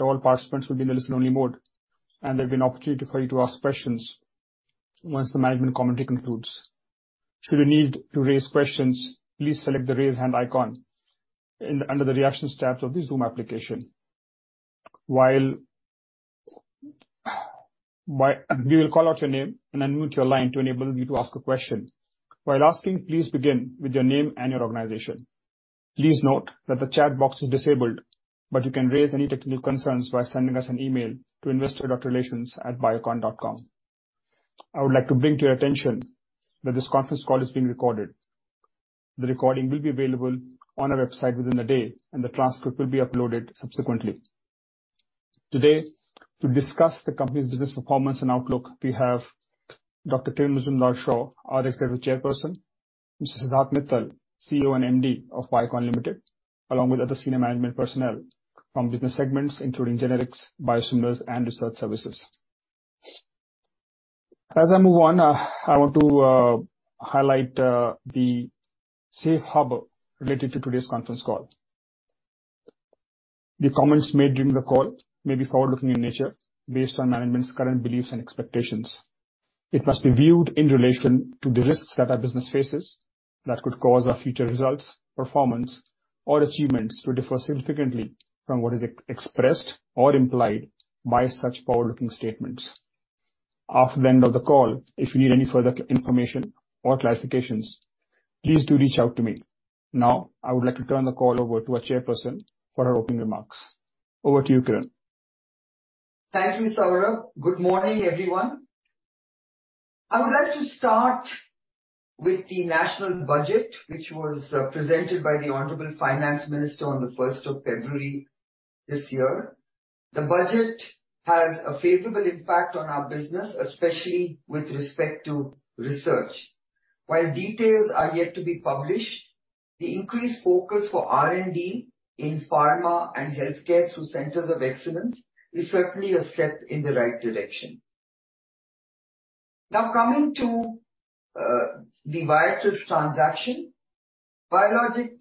All participants will be in a listen-only mode, and there'll be an opportunity for you to ask questions once the management commentary concludes. Should you need to raise questions, please select the Raise Hand icon under the Reactions tab of this Zoom application. We will call out your name and unmute your line to enable you to ask a question. Asking, please begin with your name and your organization. Please note that the chat box is disabled, but you can raise any technical concerns by sending us an email to investor.relations@biocon.com. I would like to bring to your attention that this conference call is being recorded. The recording will be available on our website within the day, and the transcript will be uploaded subsequently. Today, to discuss the company's business performance and outlook, we have Dr. Kiran Mazumdar-Shaw, our Executive Chairperson, Mr. Siddharth Mittal, CEO and MD of Biocon Limited, along with other senior management personnel from business segments including Generics, Biosimilars, and Research Services. As I move on, I want to highlight the safe harbor related to today's conference call. The comments made during the call may be forward-looking in nature based on management's current beliefs and expectations. It must be viewed in relation to the risks that our business faces that could cause our future results, performance, or achievements to differ significantly from what is expressed or implied by such forward-looking statements. After the end of the call, if you need any further information or clarifications, please do reach out to me. Now, I would like to turn the call over to our chairperson for her opening remarks. Over to you, Kiran. Thank you, Saurabh. Good morning, everyone. I would like to start with the national budget, which was presented by the Honorable Finance Minister on the first of February this year. The budget has a favorable impact on our business, especially with respect to research. While details are yet to be published, the increased focus for R&D in pharma and healthcare through centers of excellence is certainly a step in the right direction. Coming to the Viatris transaction. Biocon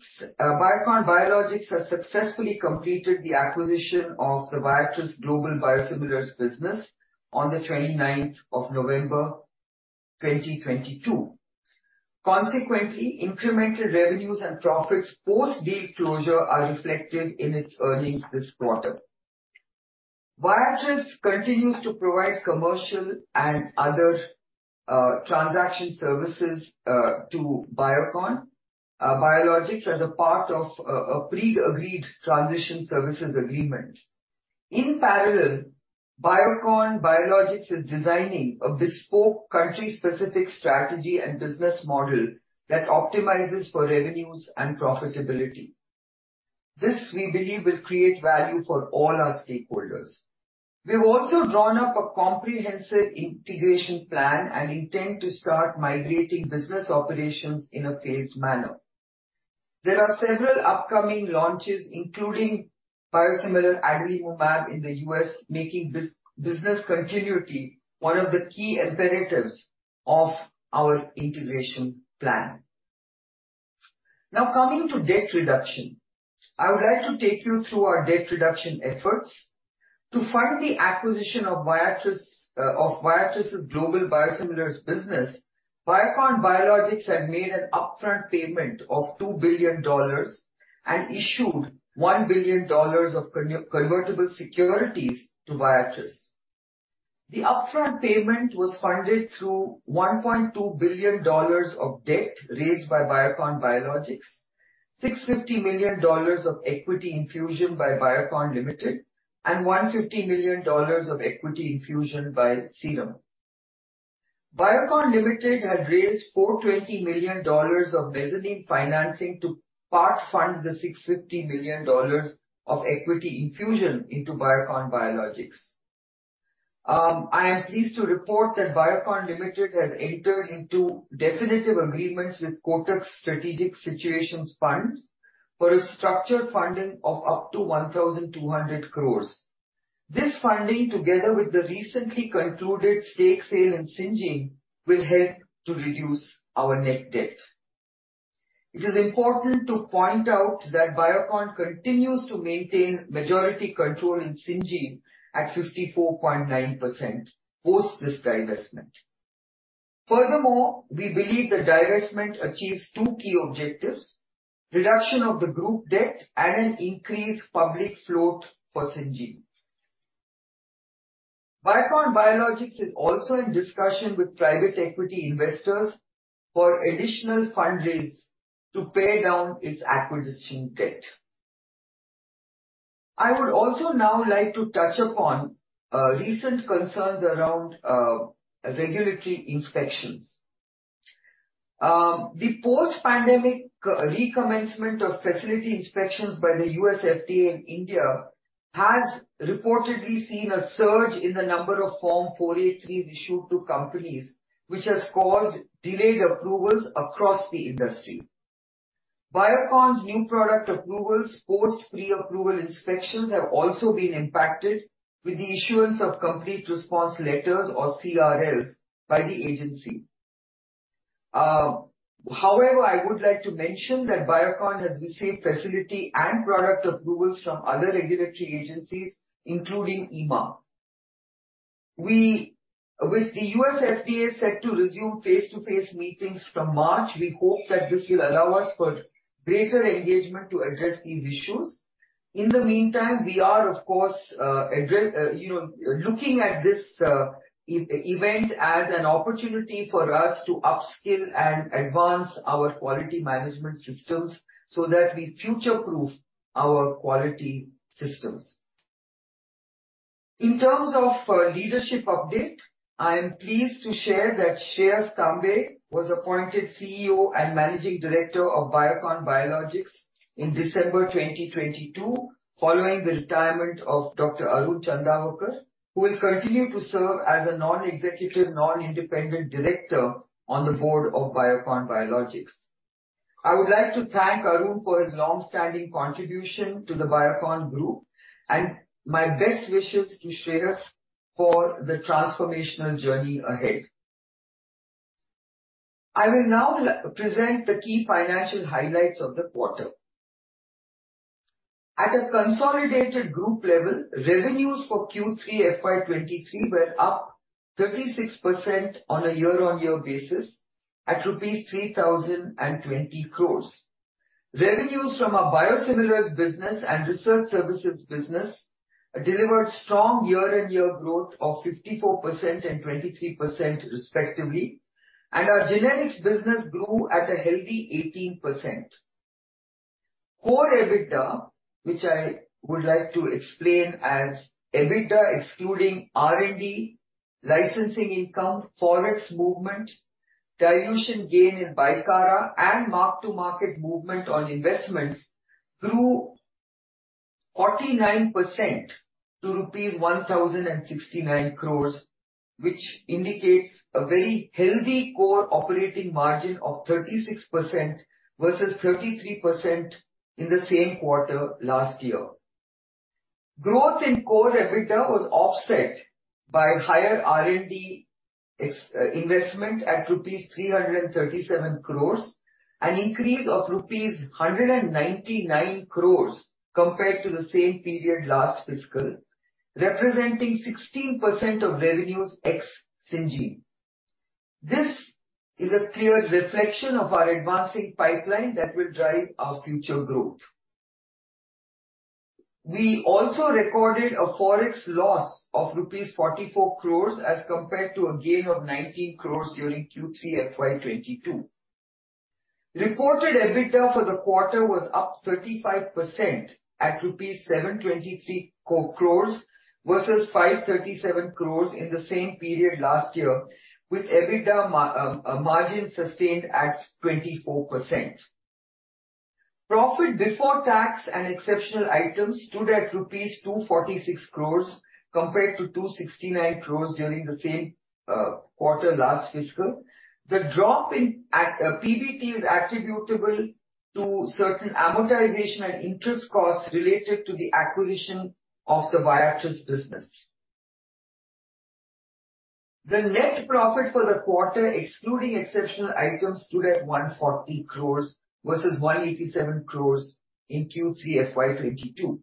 Biologics has successfully completed the acquisition of the Viatris Global Biosimilars business on the 29th of November, 2022. Incremental revenues and profits post-deal closure are reflected in its earnings this quarter. Viatris continues to provide commercial and other transaction services to Biocon Biologics as a part of a pre-agreed transition services agreement. In parallel, Biocon Biologics is designing a bespoke country-specific strategy and business model that optimizes for revenues and profitability. This, we believe, will create value for all our stakeholders. We've also drawn up a comprehensive integration plan and intend to start migrating business operations in a phased manner. There are several upcoming launches, including biosimilar Adalimumab in the US, making business continuity one of the key imperatives of our integration plan. Coming to debt reduction. I would like to take you through our debt reduction efforts. To fund the acquisition of Viatris' Global Biosimilars business, Biocon Biologics had made an upfront payment of $2 billion and issued $1 billion of convertible securities to Viatris. The upfront payment was funded through $1.2 billion of debt raised by Biocon Biologics, $650 million of equity infusion by Biocon Limited, and $150 million of equity infusion by Serum. Biocon Limited had raised $420 million of mezzanine financing to part-fund the $650 million of equity infusion into Biocon Biologics. I am pleased to report that Biocon Limited has entered into definitive agreements with Kotak Special Situations Fund for a structured funding of up to 1,200 crores. This funding, together with the recently concluded stake sale in Syngene, will help to reduce our net debt. It is important to point out that Biocon continues to maintain majority control in Syngene at 54.9% post this divestment. Furthermore, we believe the divestment achieves two key objectives: reduction of the group debt and an increased public float for Syngene. Biocon Biologics is also in discussion with private equity investors for additional fundraise to pay down its acquisition debt. I would also now like to touch upon recent concerns around regulatory inspections. The post-pandemic recommencement of facility inspections by the US FDA in India has reportedly seen a surge in the number of Form 483s issued to companies, which has caused delayed approvals across the industry. Biocon's new product approvals, post pre-approval inspections have also been impacted with the issuance of Complete Response Letters or CRLs by the agency. However, I would like to mention that Biocon has received facility and product approvals from other regulatory agencies, including EMA. With the US FDA set to resume face-to-face meetings from March, we hope that this will allow us for greater engagement to address these issues. In the meantime, we are of course, you know, looking at this e-event as an opportunity for us to upskill and advance our quality management systems so that we future-proof our quality systems. In terms of leadership update, I am pleased to share that Shreehas Tambe was appointed CEO and Managing Director of Biocon Biologics in December 2022, following the retirement of Dr. Arun Chandavarkar, who will continue to serve as a non-executive, non-independent director on the board of Biocon Biologics. I would like to thank Arun for his long-standing contribution to the Biocon Group, and my best wishes to Shreehas for the transformational journey ahead. I will now present the key financial highlights of the quarter. At a consolidated group level, revenues for Q3 FY23 were up 36% on a year-on-year basis at rupees 3,020 crores. Revenues from our biosimilars business and research services business delivered strong year-on-year growth of 54% and 23% respectively. Our generics business grew at a healthy 18%. Core EBITDA, which I would like to explain as EBITDA excluding R&D, licensing income, Forex movement, dilution gain in Bicara, and mark-to-market movement on investments, grew 49% to rupees 1,069 crores, which indicates a very healthy core operating margin of 36% versus 33% in the same quarter last year. Growth in Core EBITDA was offset by higher R&D ex investment at rupees 337 crores, an increase of rupees 199 crores compared to the same period last fiscal, representing 16% of revenues ex Syngene. This is a clear reflection of our advancing pipeline that will drive our future growth. We also recorded a Forex loss of rupees 44 crores as compared to a gain of 19 crores during Q3 FY 2022. Reported EBITDA for the quarter was up 35% at rupees 723 crores versus 537 crores in the same period last year, with EBITDA margin sustained at 24%. Profit before tax and exceptional items stood at rupees 246 crores compared to 269 crores during the same quarter last fiscal. The drop in PBT is attributable to certain amortization and interest costs related to the acquisition of the Viatris business. The net profit for the quarter, excluding exceptional items, stood at 140 crores versus 187 crores in Q3 FY22.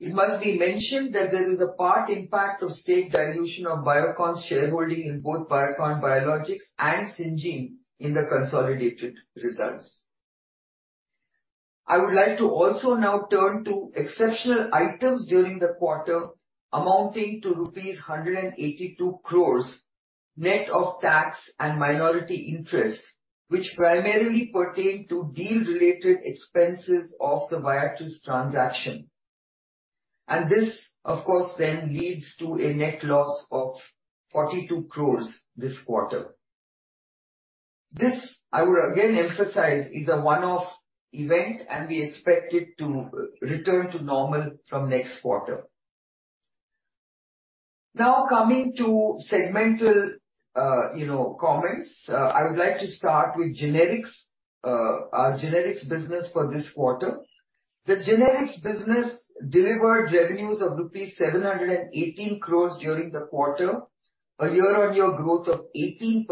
It must be mentioned that there is a part impact of state dilution of Biocon's shareholding in both Biocon Biologics and Syngene in the consolidated results. I would like to also turn to exceptional items during the quarter amounting to rupees 182 crores, net of tax and minority interests, which primarily pertain to deal related expenses of the Viatris transaction. This, of course, then leads to a net loss of 42 crores this quarter. This, I would again emphasize, is a one-off event, and we expect it to return to normal from next quarter. Coming to segmental, you know, comments. I would like to start with generics. Our generics business for this quarter. The generics business delivered revenues of rupees 718 crores during the quarter, a year-on-year growth of 18%.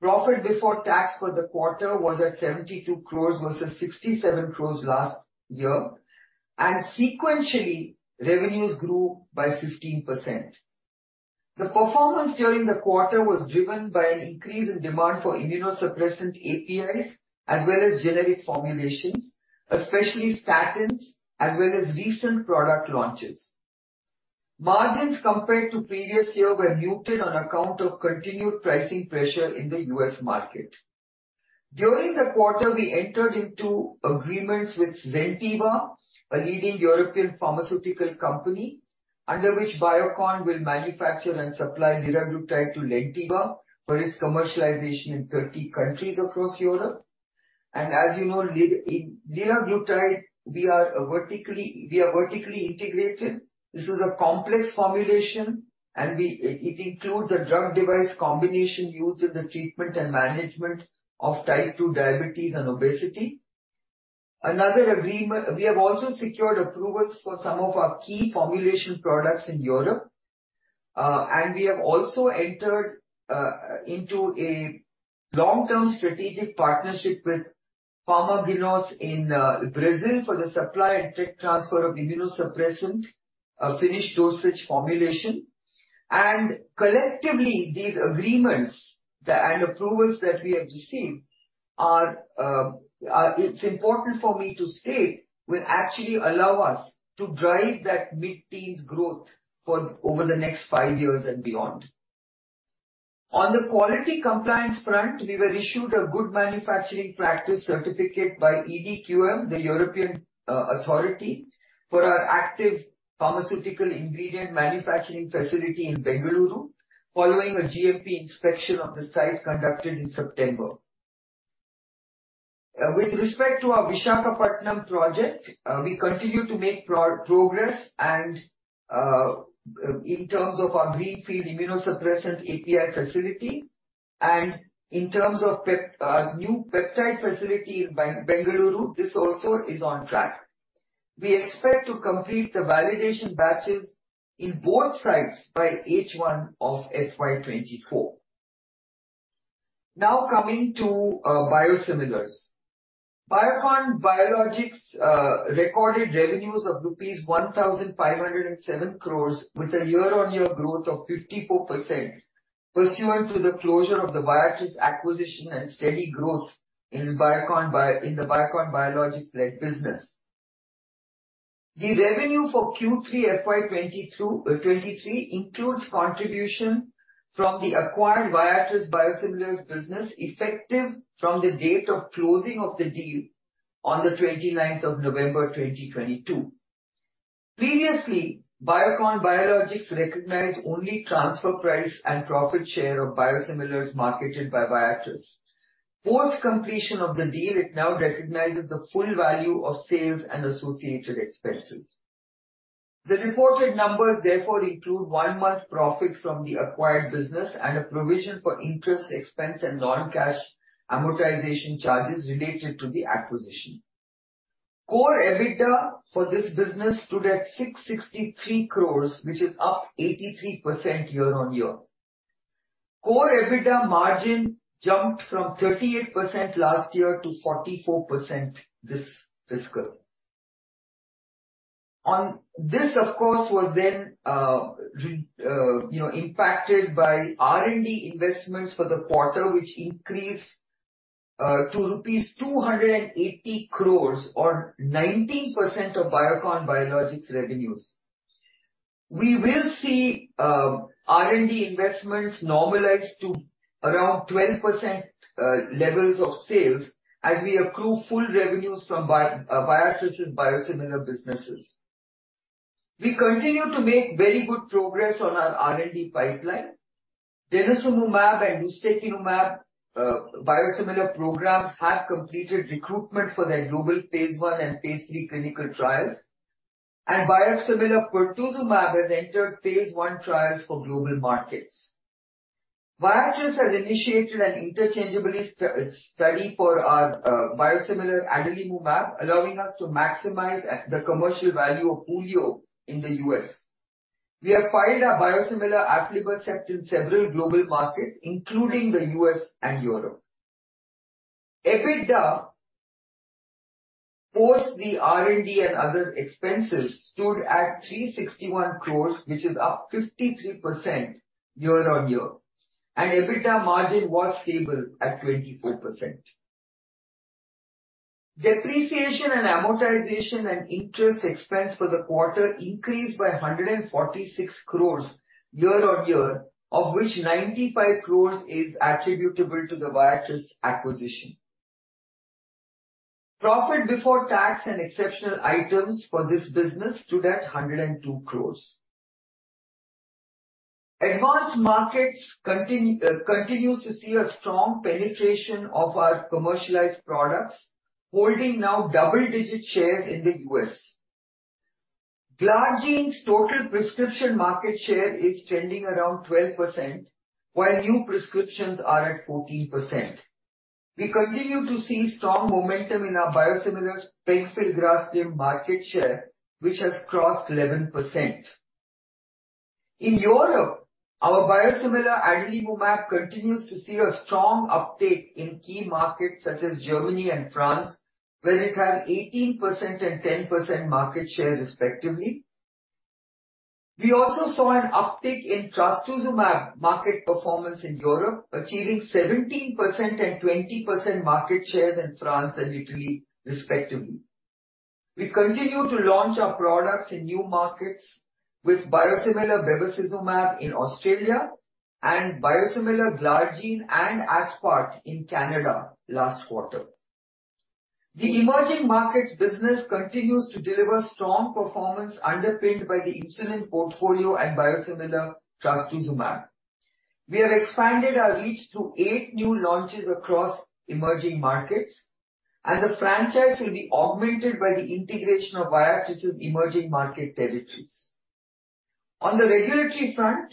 Profit before tax for the quarter was at 72 crores versus 67 crores last year. Sequentially, revenues grew by 15%. The performance during the quarter was driven by an increase in demand for immunosuppressant APIs as well as generic formulations, especially patents as well as recent product launches. Margins compared to previous year were muted on account of continued pricing pressure in the U.S. market. During the quarter, we entered into agreements with Zentiva, a leading European pharmaceutical company, under which Biocon will manufacture and supply liraglutide to Zentiva for its commercialization in 30 countries across Europe. As you know, liraglutide, we are vertically integrated. This is a complex formulation, it includes a drug-device combination used in the treatment and management of type 2 diabetes and obesity. Another agreement, we have also secured approvals for some of our key formulation products in Europe. We have also entered into a long-term strategic partnership with Farmanguinhos in Brazil for the supply and tech transfer of immunosuppressant finished dosage formulation. Collectively, these agreements and approvals that we have received, it's important for me to state, will actually allow us to drive that mid-teens growth for over the next five years and beyond. On the quality compliance front, we were issued a good manufacturing practice certificate by EDQM, the European Authority, for our active pharmaceutical ingredient manufacturing facility in Bengaluru, following a GMP inspection of the site conducted in September. With respect to our Visakhapatnam project, we continue to make progress in terms of our greenfield immunosuppressant API facility and in terms of new peptide facility in Bengaluru, this also is on track. We expect to complete the validation batches in both sites by H1 of FY 2024. Now coming to biosimilars. Biocon Biologics recorded revenues of rupees 1,507 crores with a year-on-year growth of 54% pursuant to the closure of the Viatris acquisition and steady growth in the Biocon Biologics-led business. The revenue for Q3 FY 2023 includes contribution from the acquired Viatris biosimilars business effective from the date of closing of the deal on the 29th of November, 2022. Previously, Biocon Biologics recognized only transfer price and profit share of biosimilars marketed by Viatris. Post completion of the deal, it now recognizes the full value of sales and associated expenses. The reported numbers include one-month profit from the acquired business and a provision for interest expense and non-cash amortization charges related to the acquisition. Core EBITDA for this business stood at 663 crores, which is up 83% year-on-year. Core EBITDA margin jumped from 38% last year to 44% this fiscal. This of course was then, you know, impacted by R&D investments for the quarter, which increased to rupees 280 crores or 19% of Biocon Biologics revenues. We will see R&D investments normalize to around 12% levels of sales as we accrue full revenues from Viatris' biosimilar businesses. We continue to make very good progress on our R&D pipeline. Denosumab and Ustekinumab biosimilar programs have completed recruitment for their global phase I and phase III clinical trials. Biosimilar Pertuzumab has entered phase I trials for global markets. Viatris has initiated an interchangeability study for our biosimilar Adalimumab, allowing us to maximize at the commercial value of Hulio in the US. We have filed our biosimilar Aflibercept in several global markets, including the US and Europe. EBITDA, post the R&D and other expenses, stood at 361 crores, which is up 53% year-on-year. EBITDA margin was stable at 24%. Depreciation and amortization and interest expense for the quarter increased by 146 crores year-on-year, of which 95 crores is attributable to the Viatris acquisition. Profit before tax and exceptional items for this business stood at 102 crores. Advanced markets continues to see a strong penetration of our commercialized products, holding now double-digit shares in the U.S. Glargine's total prescription market share is trending around 12%, while new prescriptions are at 14%. We continue to see strong momentum in our biosimilar PenFill Glargine market share, which has crossed 11%. In Europe, our biosimilar Adalimumab continues to see a strong uptake in key markets such as Germany and France, where it has 18% and 10% market share respectively. We also saw an uptick in Trastuzumab market performance in Europe, achieving 17% and 20% market shares in France and Italy respectively. We continue to launch our products in new markets with biosimilar Bevacizumab in Australia and biosimilar Glargine and aspart in Canada last quarter. The emerging markets business continues to deliver strong performance underpinned by the insulin portfolio and biosimilar Trastuzumab. We have expanded our reach through 8 new launches across emerging markets, and the franchise will be augmented by the integration of Viatris' emerging market territories. On the regulatory front,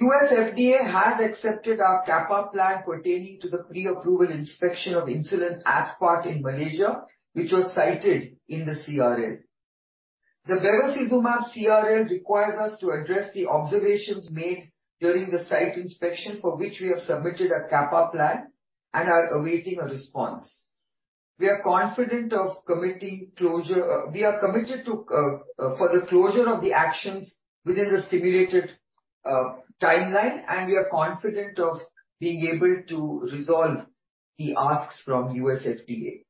US FDA has accepted our CAPA plan pertaining to the pre-approval inspection of insulin aspart in Malaysia, which was cited in the CRL. The bevacizumab CRL requires us to address the observations made during the site inspection for which we have submitted a CAPA plan and are awaiting a response. We are committed to for the closure of the actions within the simulated timeline, and we are confident of being able to resolve the asks from US FDA.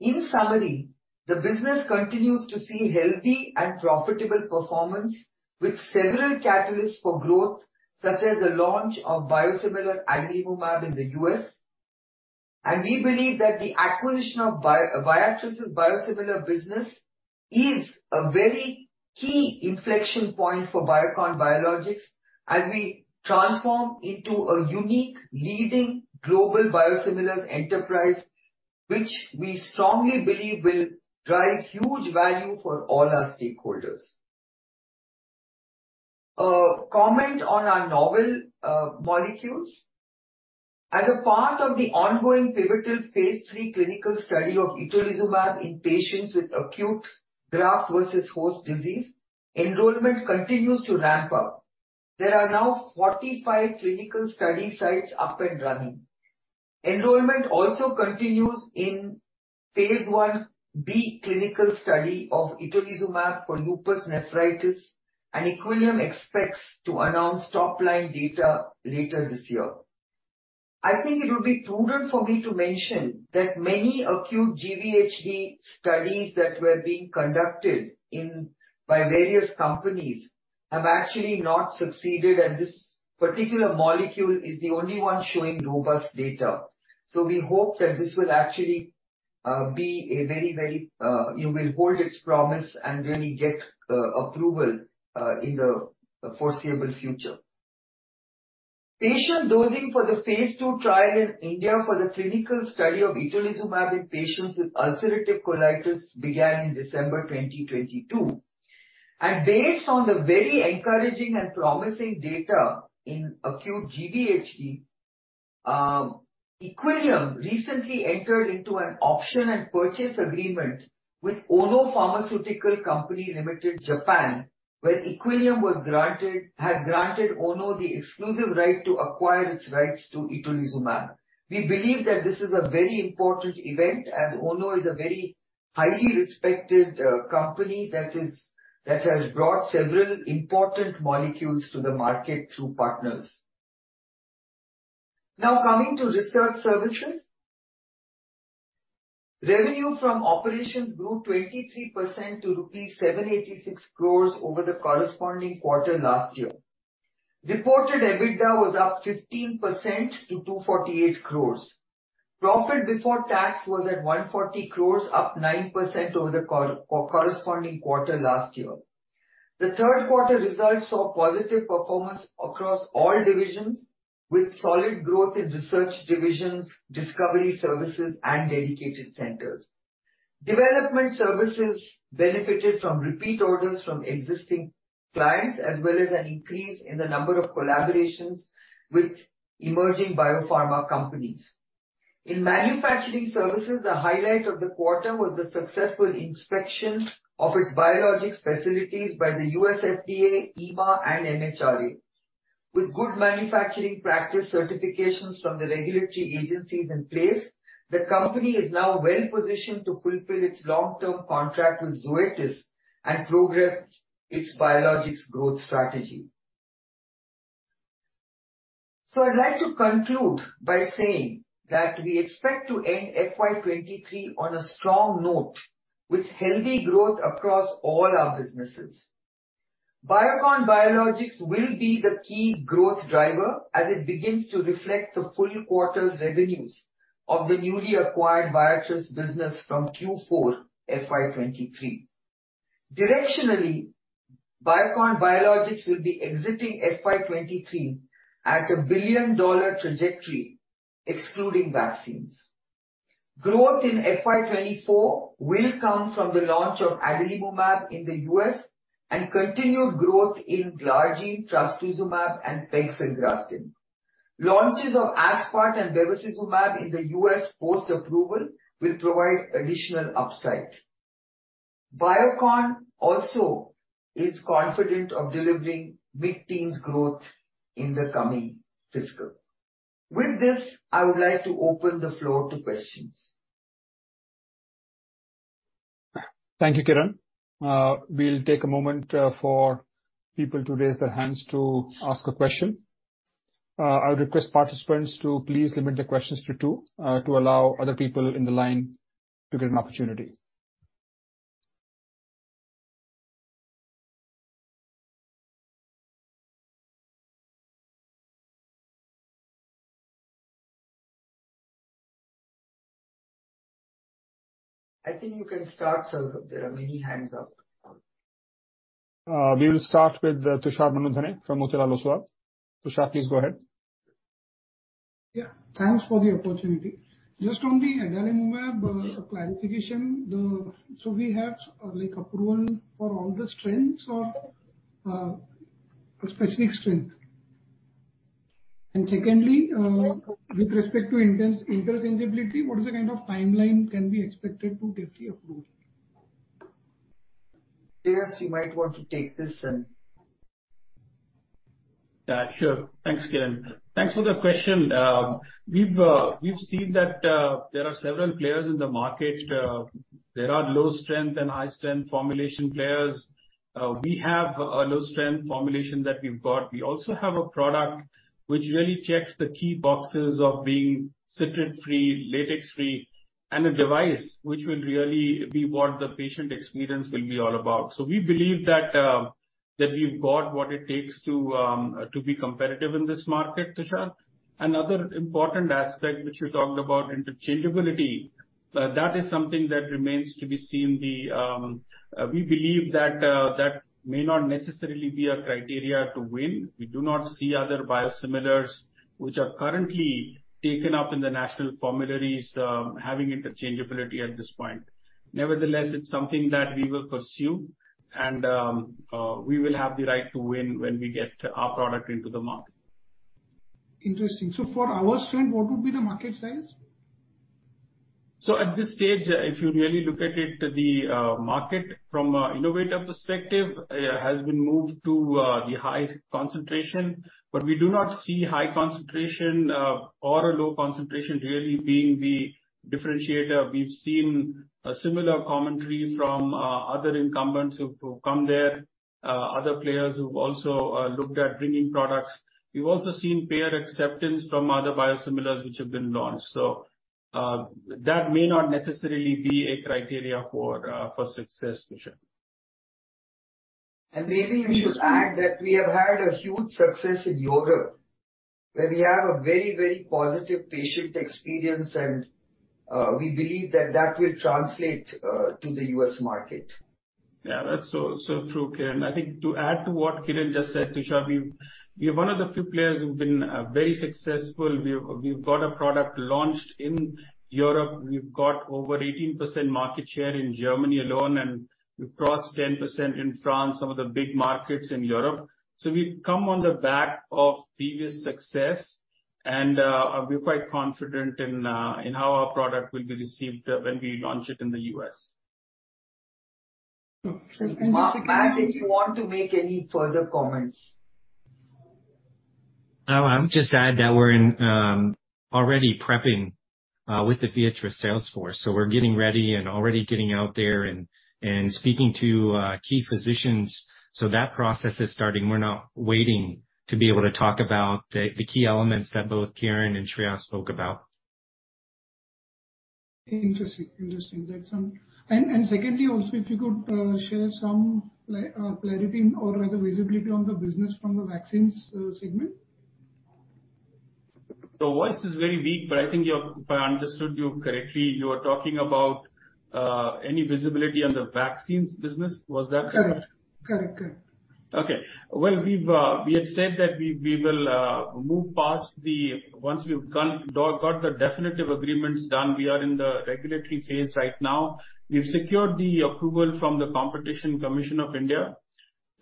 In summary, the business continues to see healthy and profitable performance with several catalysts for growth, such as the launch of biosimilar Adalimumab in the U.S. We believe that the acquisition of Viatris' biosimilar business is a very key inflection point for Biocon Biologics as we transform into a unique leading global biosimilars enterprise, which we strongly believe will drive huge value for all our stakeholders. Comment on our novel molecules. As a part of the ongoing pivotal phase 3 clinical study of Itolizumab in patients with acute graft-versus-host disease, enrollment continues to ramp up. There are now 45 clinical study sites up and running. Enrollment also continues in phase 1B clinical study of Itolizumab for lupus nephritis. Equillium expects to announce top-line data later this year. I think it would be prudent for me to mention that many acute GVHD studies that were being conducted in, by various companies have actually not succeeded, this particular molecule is the only one showing robust data. We hope that this will actually hold its promise and really get approval in the foreseeable future. Patient dosing for the phase 2 trial in India for the clinical study of itolizumab in patients with ulcerative colitis began in December 2022. Based on the very encouraging and promising data in acute GVHD, Equillium recently entered into an option and purchase agreement with Ono Pharmaceutical Co., Ltd., Japan, where Equillium has granted Ono the exclusive right to acquire its rights to itolizumab. We believe that this is a very important event, as Ono is a very highly respected company that is, that has brought several important molecules to the market through partners. Coming to research services. Revenue from operations grew 23% to rupees 786 crores over the corresponding quarter last year. Reported EBITDA was up 15% to 248 crores. Profit before tax was at 140 crores, up 9% over the corresponding quarter last year. The third quarter results saw positive performance across all divisions, with solid growth in research divisions, discovery services and dedicated centers. Development services benefited from repeat orders from existing clients, as well as an increase in the number of collaborations with emerging biopharma companies. Manufacturing services, the highlight of the quarter was the successful inspection of its biologics facilities by the US FDA, EMA and MHRA. With good manufacturing practice certifications from the regulatory agencies in place, the company is now well-positioned to fulfill its long-term contract with Zoetis and progress its biologics growth strategy. I'd like to conclude by saying that we expect to end FY 2023 on a strong note with healthy growth across all our businesses. Biocon Biologics will be the key growth driver as it begins to reflect the full quarter's revenues of the newly acquired Viatris business from Q4 FY 2023. Directionally, Biocon Biologics will be exiting FY 2023 at a billion-dollar trajectory, excluding vaccines. Growth in FY 2024 will come from the launch of Adalimumab in the U.S. and continued growth in Glargine, Trastuzumab and Pegfilgrastim. Launches of aspart and Bevacizumab in the U.S. post-approval will provide additional upside. Biocon also is confident of delivering mid-teens growth in the coming fiscal. With this, I would like to open the floor to questions. Thank you, Kiran. We'll take a moment for people to raise their hands to ask a question. I would request participants to please limit their questions to two to allow other people in the line to get an opportunity. I think you can start, Saurabh. There are many hands up. We will start with Tushar Manudhane from Motilal Oswal. Tushar, please go ahead. Yeah, thanks for the opportunity. Interesting. For our strength, what would be the market size? At this stage, if you really look at it, the market from a innovative perspective has been moved to the high concentration, but we do not see high concentration or a low concentration really being the differentiator. We've seen a similar commentary from other incumbents who've come there, other players who've also looked at bringing products. We've also seen payer acceptance from other biosimilars which have been launched. That may not necessarily be a criteria for success, Tushar. Maybe you should add that we have had a huge success in Europe, where we have a very, very positive patient experience and, we believe that that will translate to the US market. Yeah, that's so true, Kiran. I think to add to what Kiran just said, Tushar, we're one of the few players who've been very successful. We've got a product launched in Europe. We've got over 18% market share in Germany alone, and we've crossed 10% in France, some of the big markets in Europe. We've come on the back of previous success and we're quite confident in how our product will be received when we launch it in the US. Interesting. Matt, if you want to make any further comments. I would just add that we're in already prepping with the Viatris sales force. We're getting ready and already getting out there and speaking to key physicians. That process is starting. We're not waiting to be able to talk about the key elements that both Kiran and Shreyas spoke about. Interesting. Interesting. That's. Secondly, also if you could share some clarity or rather visibility on the business from the vaccines segment. The voice is very weak, but I think If I understood you correctly, you are talking about any visibility on the vaccines business. Was that correct? Correct. Correct. Correct. Okay. Well, we have said that we will move past Once we've got the definitive agreements done, we are in the regulatory phase right now. We've secured the approval from the Competition Commission of India.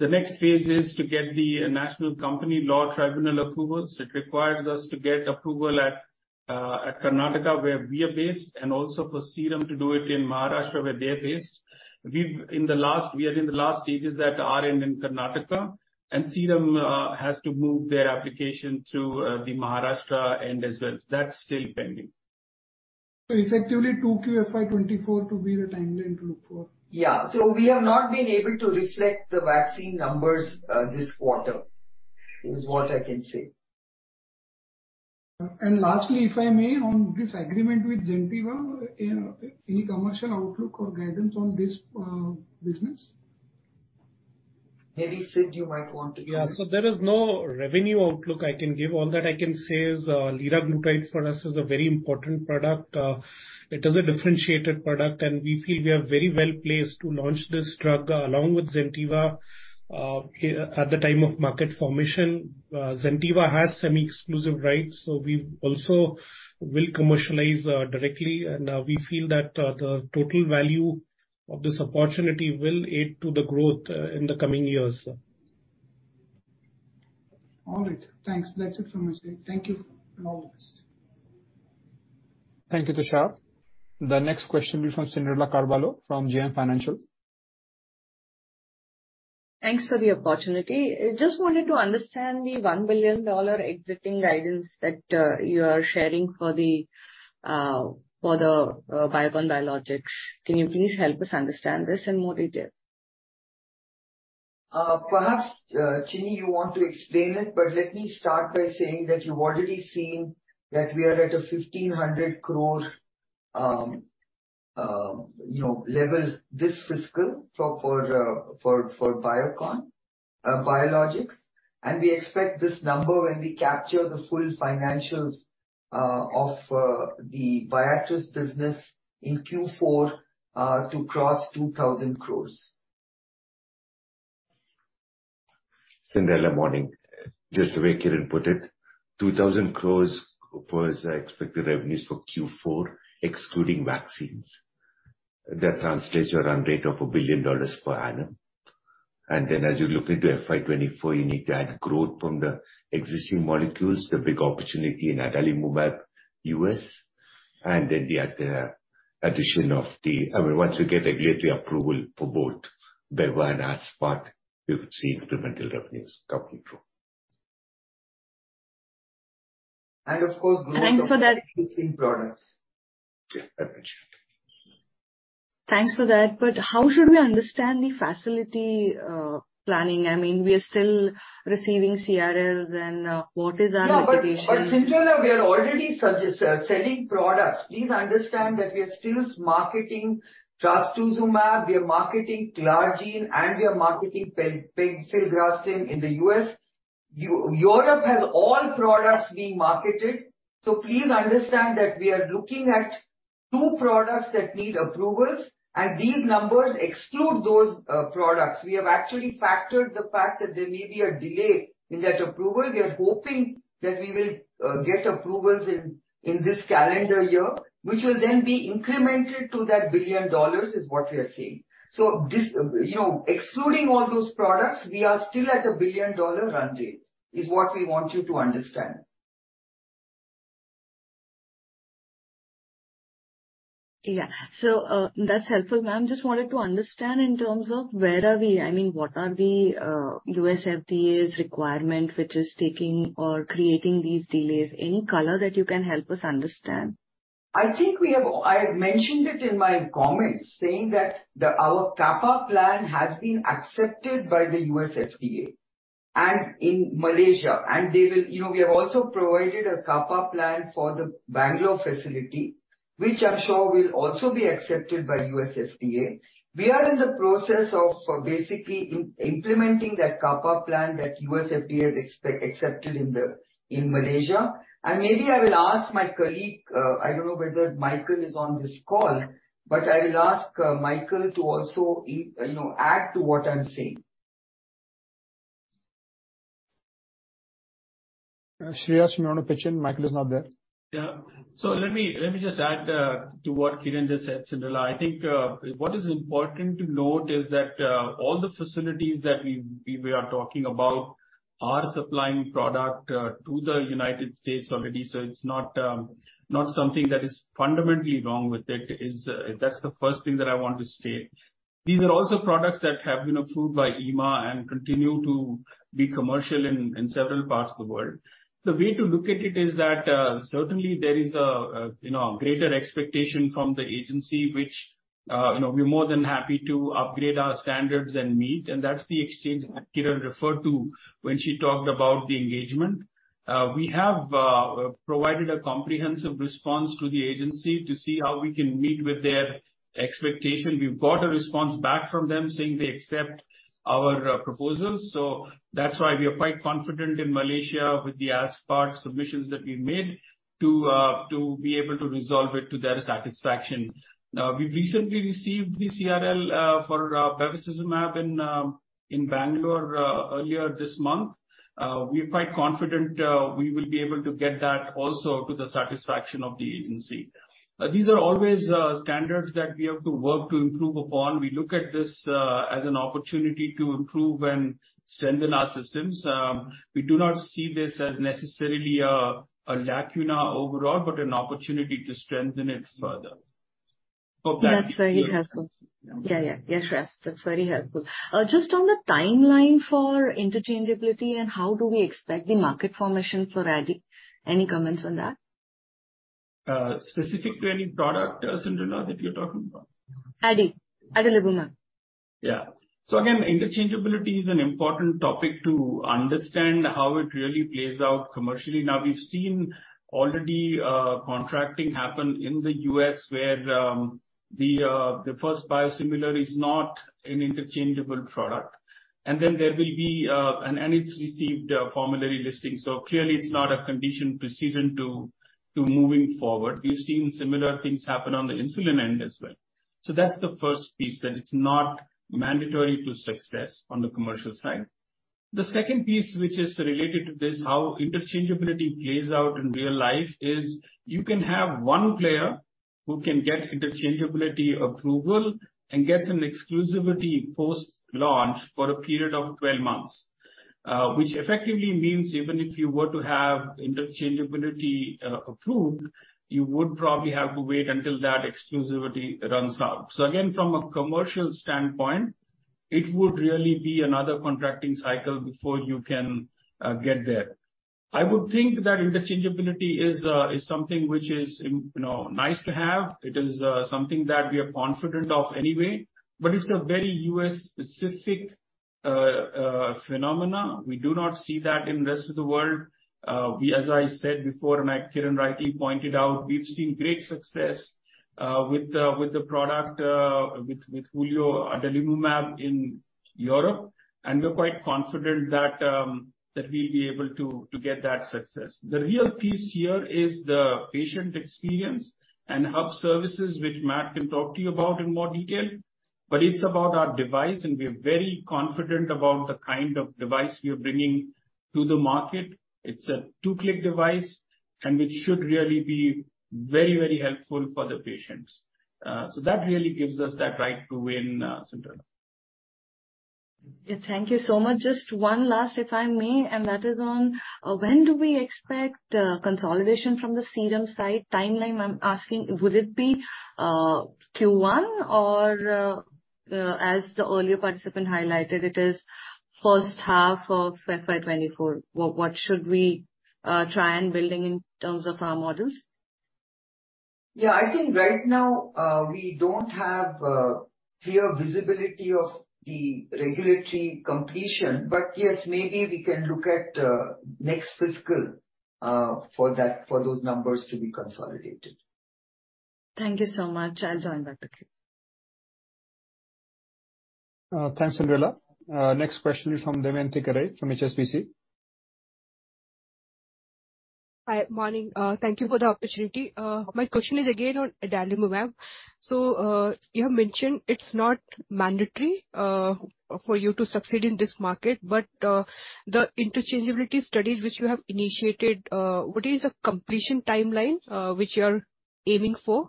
The next phase is to get the National Company Law Tribunal approvals. It requires us to get approval at Karnataka, where we are based, and also for Serum to do it in Maharashtra, where they're based. We are in the last stages that are in Karnataka, and Serum has to move their application through the Maharashtra end as well. That's still pending. Effectively 2 QFY 2024 to be the timeline to look for. Yeah. We have not been able to reflect the vaccine numbers, this quarter, is what I can say. lastly, if I may, on this agreement with Zentiva, any commercial outlook or guidance on this, business? Maybe Sid, you might want to... Yeah. There is no revenue outlook I can give. All that I can say is, liraglutide for us is a very important product. It is a differentiated product, and we feel we are very well placed to launch this drug, along with Zentiva. At the time of market formation, Zentiva has semi-exclusive rights, so we also will commercialize directly. We feel that the total value of this opportunity will aid to the growth in the coming years. All right. Thanks. That's it from my side. Thank you and all the best. Thank you, Tushar. The next question is from Cyndrella Carvalho from JM Financial. Thanks for the opportunity. I just wanted to understand the $1 billion exiting guidance that you are sharing for the Biocon Biologics. Can you please help us understand this in more detail? Perhaps Chinni, you want to explain it. Let me start by saying that you've already seen that we are at a 1,500 crore, you know, level this fiscal for Biocon Biologics. We expect this number when we capture the full financials of the Viatris business in Q4 to cross 2,000 crores. Cynderella morning. Just the way Kiran put it, 2,000 crores was our expected revenues for Q4, excluding vaccines. That translates to a run rate of $1 billion per annum. As you look into FY 2024, you need to add growth from the existing molecules, the big opportunity in Adalimumab US, then the addition of the, I mean, once you get regulatory approval for both Beva and Aspart, we would see incremental revenues coming through. And of course- Thanks for that. Existing products. Yeah. Thanks for that. How should we understand the facility planning? I mean, we are still receiving CRLs and what is our mitigation- Cyndrella Carvalho, we are already selling products. Please understand that we are still marketing Trastuzumab, we are marketing Clarine, and we are marketing Pegfilgrastim in the U.S. Europe has all products being marketed. Please understand that we are looking atproducts that need approvals, and these numbers exclude those products. We have actually factored the fact that there may be a delay in that approval. We are hoping that we will get approvals in this calendar year, which will then be incremented to that $1 billion, is what we are saying. This, you know, excluding all those products, we are still at a billion-dollar run rate, is what we want you to understand. That's helpful, ma'am. Just wanted to understand in terms of where are we, I mean, what are the US FDA's requirement which is taking or creating these delays? Any color that you can help us understand? I think we have I mentioned it in my comments, saying that our CAPA plan has been accepted by the US FDA and in Malaysia. They will. You know, we have also provided a CAPA plan for the Bangalore facility, which I'm sure will also be accepted by US FDA. We are in the process of basically implementing that CAPA plan that US FDA has accepted in Malaysia. Maybe I will ask my colleague, I don't know whether Michael is on this call, but I will ask Michael to also in you know, add to what I'm saying. Shreehas, you want to pitch in? Michael is not there. Let me just add to what Kiran just said, Cyndrella. I think what is important to note is that all the facilities that we are talking about are supplying product to the United States already. It's not something that is fundamentally wrong with it. That's the first thing that I want to state. These are also products that have been approved by EMA and continue to be commercial in several parts of the world. The way to look at it is that certainly there is a, you know, greater expectation from the agency which, you know, we're more than happy to upgrade our standards and meet. That's the exchange that Kiran referred to when she talked about the engagement. We have provided a comprehensive response to the agency to see how we can meet with their expectation. We've got a response back from them saying they accept our proposals. That's why we are quite confident in Malaysia with the aspart submissions that we made to be able to resolve it to their satisfaction. We recently received the CRL for Bevacizumab in Bangalore earlier this month. We're quite confident we will be able to get that also to the satisfaction of the agency. These are always standards that we have to work to improve upon. We look at this as an opportunity to improve and strengthen our systems. We do not see this as necessarily a lacuna overall, but an opportunity to strengthen it further. That's very helpful. Yeah, Shreehas, that's very helpful. Just on the timeline for interchangeability and how do we expect the market formation for Adali. Any comments on that? Specific to any product, Cyndrella, that you're talking about? Adi. Adalimumab. Again, interchangeability is an important topic to understand how it really plays out commercially. We've seen already contracting happen in the U.S., where the first biosimilar is not an interchangeable product. It's received a formulary listing, clearly it's not a condition precedent to moving forward. We've seen similar things happen on the insulin end as well. That's the first piece, that it's not mandatory to success on the commercial side. The second piece which is related to this, how interchangeability plays out in real life is you can have one player who can get interchangeability approval and gets an exclusivity post-launch for a period of 12 months. Which effectively means even if you were to have interchangeability approved, you would probably have to wait until that exclusivity runs out. Again, from a commercial standpoint, it would really be another contracting cycle before you can get there. I would think that interchangeability is something which is, you know, nice to have. It is something that we are confident of anyway, but it's a very U.S.-specific phenomena. We do not see that in rest of the world. We, as I said before, and as Kiran rightly pointed out, we've seen great success with the product, with Hulio Adalimumab in Europe, and we're quite confident that we'll be able to get that success. The real piece here is the patient experience and hub services, which Matt can talk to you about in more detail. It's about our device, and we're very confident about the kind of device we are bringing to the market. It's a 2-click device, which should really be very, very helpful for the patients. So that really gives us that right to win, Sundara. Thank you so much. Just one last, if I may, and that is on when do we expect consolidation from the serum side timeline? I'm asking, would it be Q1 or as the earlier participant highlighted it, is first half of FY24. What should we try and building in terms of our models? Yeah, I think right now, we don't have clear visibility of the regulatory completion. Yes, maybe we can look at next fiscal for those numbers to be consolidated. Thank you so much. I'll join back the queue. Thanks, Cyndrella. Next question is from Damayanti Kerai from HSBC. Hi. Morning. Thank you for the opportunity. My question is again on adalimumab. You have mentioned it's not mandatory for you to succeed in this market, the interchangeability studies which you have initiated, what is the completion timeline which you are aiming for?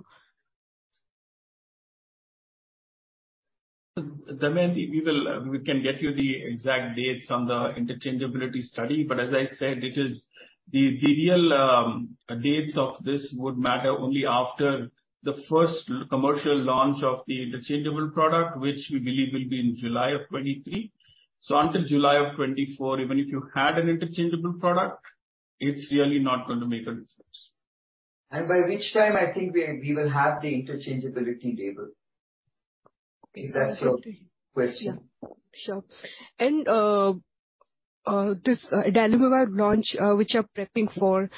Damini, We can get you the exact dates on the interchangeability study, but as I said, it is the real dates of this would matter only after the first commercial launch of the interchangeable product, which we believe will be in July of 2023. Until July of 2024, even if you had an interchangeable product, it's really not going to make a difference. by which time I think we will have the interchangeability data. If that's your question. Sure. This Adalimumab launch, which you're prepping for.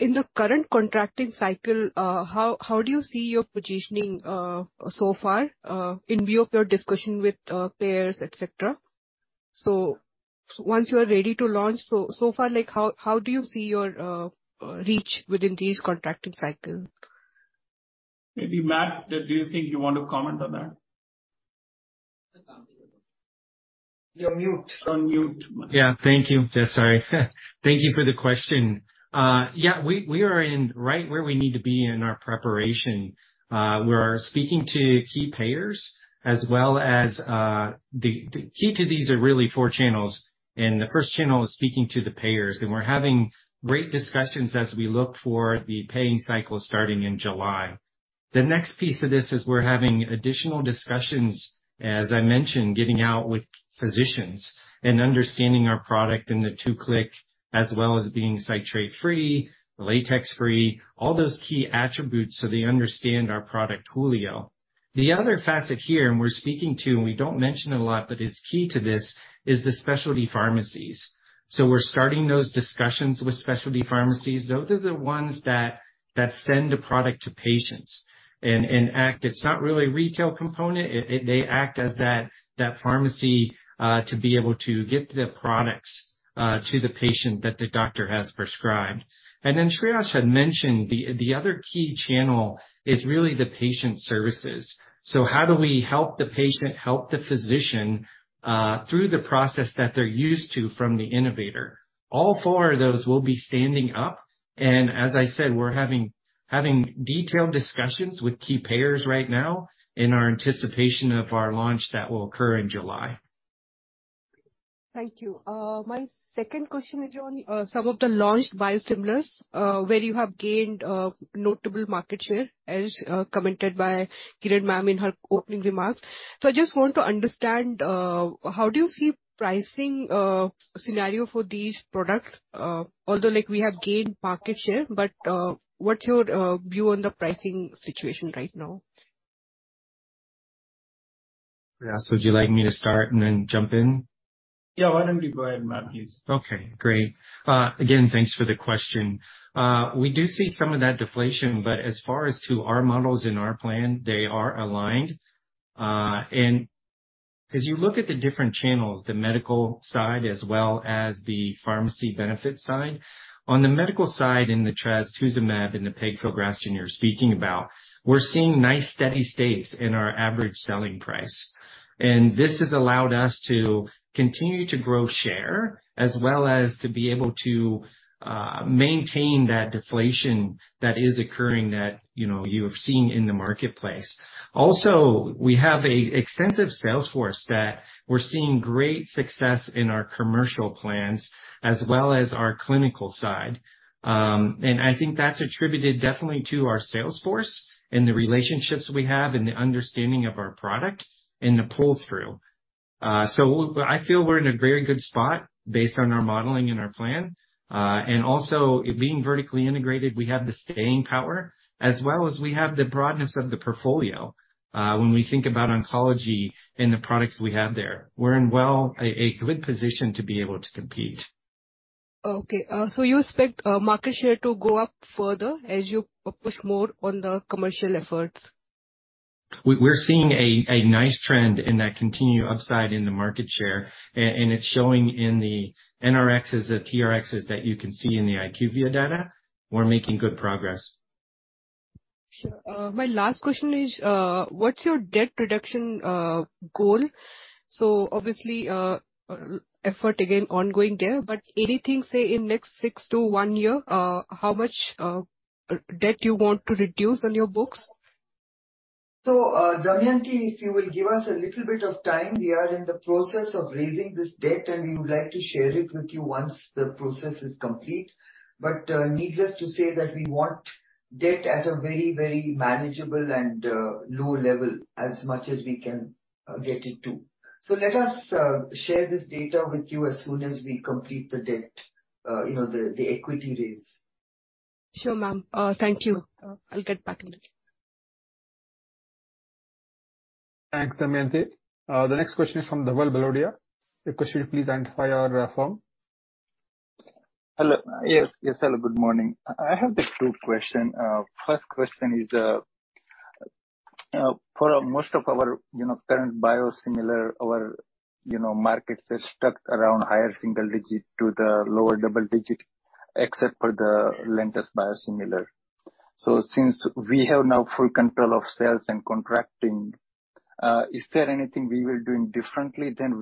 In the current contracting cycle, how do you see your positioning so far, in view of your discussion with payers, et cetera? Once you are ready to launch, so far, like how do you see your reach within these contracting cycle? Maybe, Matt, do you think you want to comment on that? You're mute. Unmute. Yeah. Thank you. Yeah. Sorry. Thank you for the question. Yeah. We are in right where we need to be in our preparation. We are speaking to key payers as well as the key to these are really four channels. The first channel is speaking to the payers. We're having great discussions as we look for the paying cycle starting in July. The next piece of this is we're having additional discussions, as I mentioned, getting out with physicians and understanding our product and the two-click, as well as being citrate-free, latex free, all those key attributes so they understand our product, Hulio. The other facet here, we're speaking to and we don't mention it a lot, but it's key to this, is the specialty pharmacies. We're starting those discussions with specialty pharmacies. Those are the ones that send a product to patients and act. It's not really a retail component. They act as that pharmacy to be able to get the products to the patient that the doctor has prescribed. Shreehas had mentioned the other key channel is really the patient services. How do we help the patient, help the physician through the process that they're used to from the innovator? All four of those will be standing up and as I said, we're having detailed discussions with key payers right now in our anticipation of our launch that will occur in July. Thank you. My second question is on some of the launched biosimilars where you have gained notable market share, as commented by Kiran ma'am in her opening remarks. I just want to understand how do you see pricing scenario for these products? Although like we have gained market share, but what's your view on the pricing situation right now? Shreehas, would you like me to start and then jump in? Yeah. Why don't you go ahead, Matthew Erick. Okay, great. Again, thanks for the question. We do see some of that deflation, but as far as to our models and our plan, they are aligned. As you look at the different channels, the medical side as well as the pharmacy benefit side, on the medical side in the trastuzumab and the pegfilgrastim you're speaking about, we're seeing nice steady states in our average selling price. This has allowed us to continue to grow share as well as to be able to maintain that deflation that is occurring that, you know, you have seen in the marketplace. Also, we have a extensive sales force that we're seeing great success in our commercial plans as well as our clinical side. I think that's attributed definitely to our sales force and the relationships we have and the understanding of our product and the pull through. So I feel we're in a very good spot based on our modeling and our plan. Also being vertically integrated, we have the staying power as well as we have the broadness of the portfolio, when we think about oncology and the products we have there. We're in a good position to be able to compete. Okay. You expect market share to go up further as you push more on the commercial efforts? We're seeing a nice trend in that continued upside in the market share, and it's showing in the NRxs and TRxs that you can see in the IQVIA data. We're making good progress. Sure. My last question is, what's your debt reduction goal? Obviously, effort again ongoing there, but anything, say, in next six to one year, how much debt you want to reduce on your books? Damayanti, if you will give us a little bit of time, we are in the process of raising this debt, and we would like to share it with you once the process is complete. Needless to say that we want debt at a very, very manageable and low level as much as we can get it to. Let us share this data with you as soon as we complete the debt, you know, the equity raise. Sure, ma'am. Thank you. I'll get back. Thanks, Damayanti. The next question is from Dhawal Balooria. Your question, please identify your firm. Hello. Yes, yes, hello, good morning. I have the two question. first question is, for most of our, you know, current biosimilar, our, you know, market share stuck around higher single-digit to the lower double-digit, except for the Lantus biosimilar. Since we have now full control of sales and contracting, is there anything we were doing differently than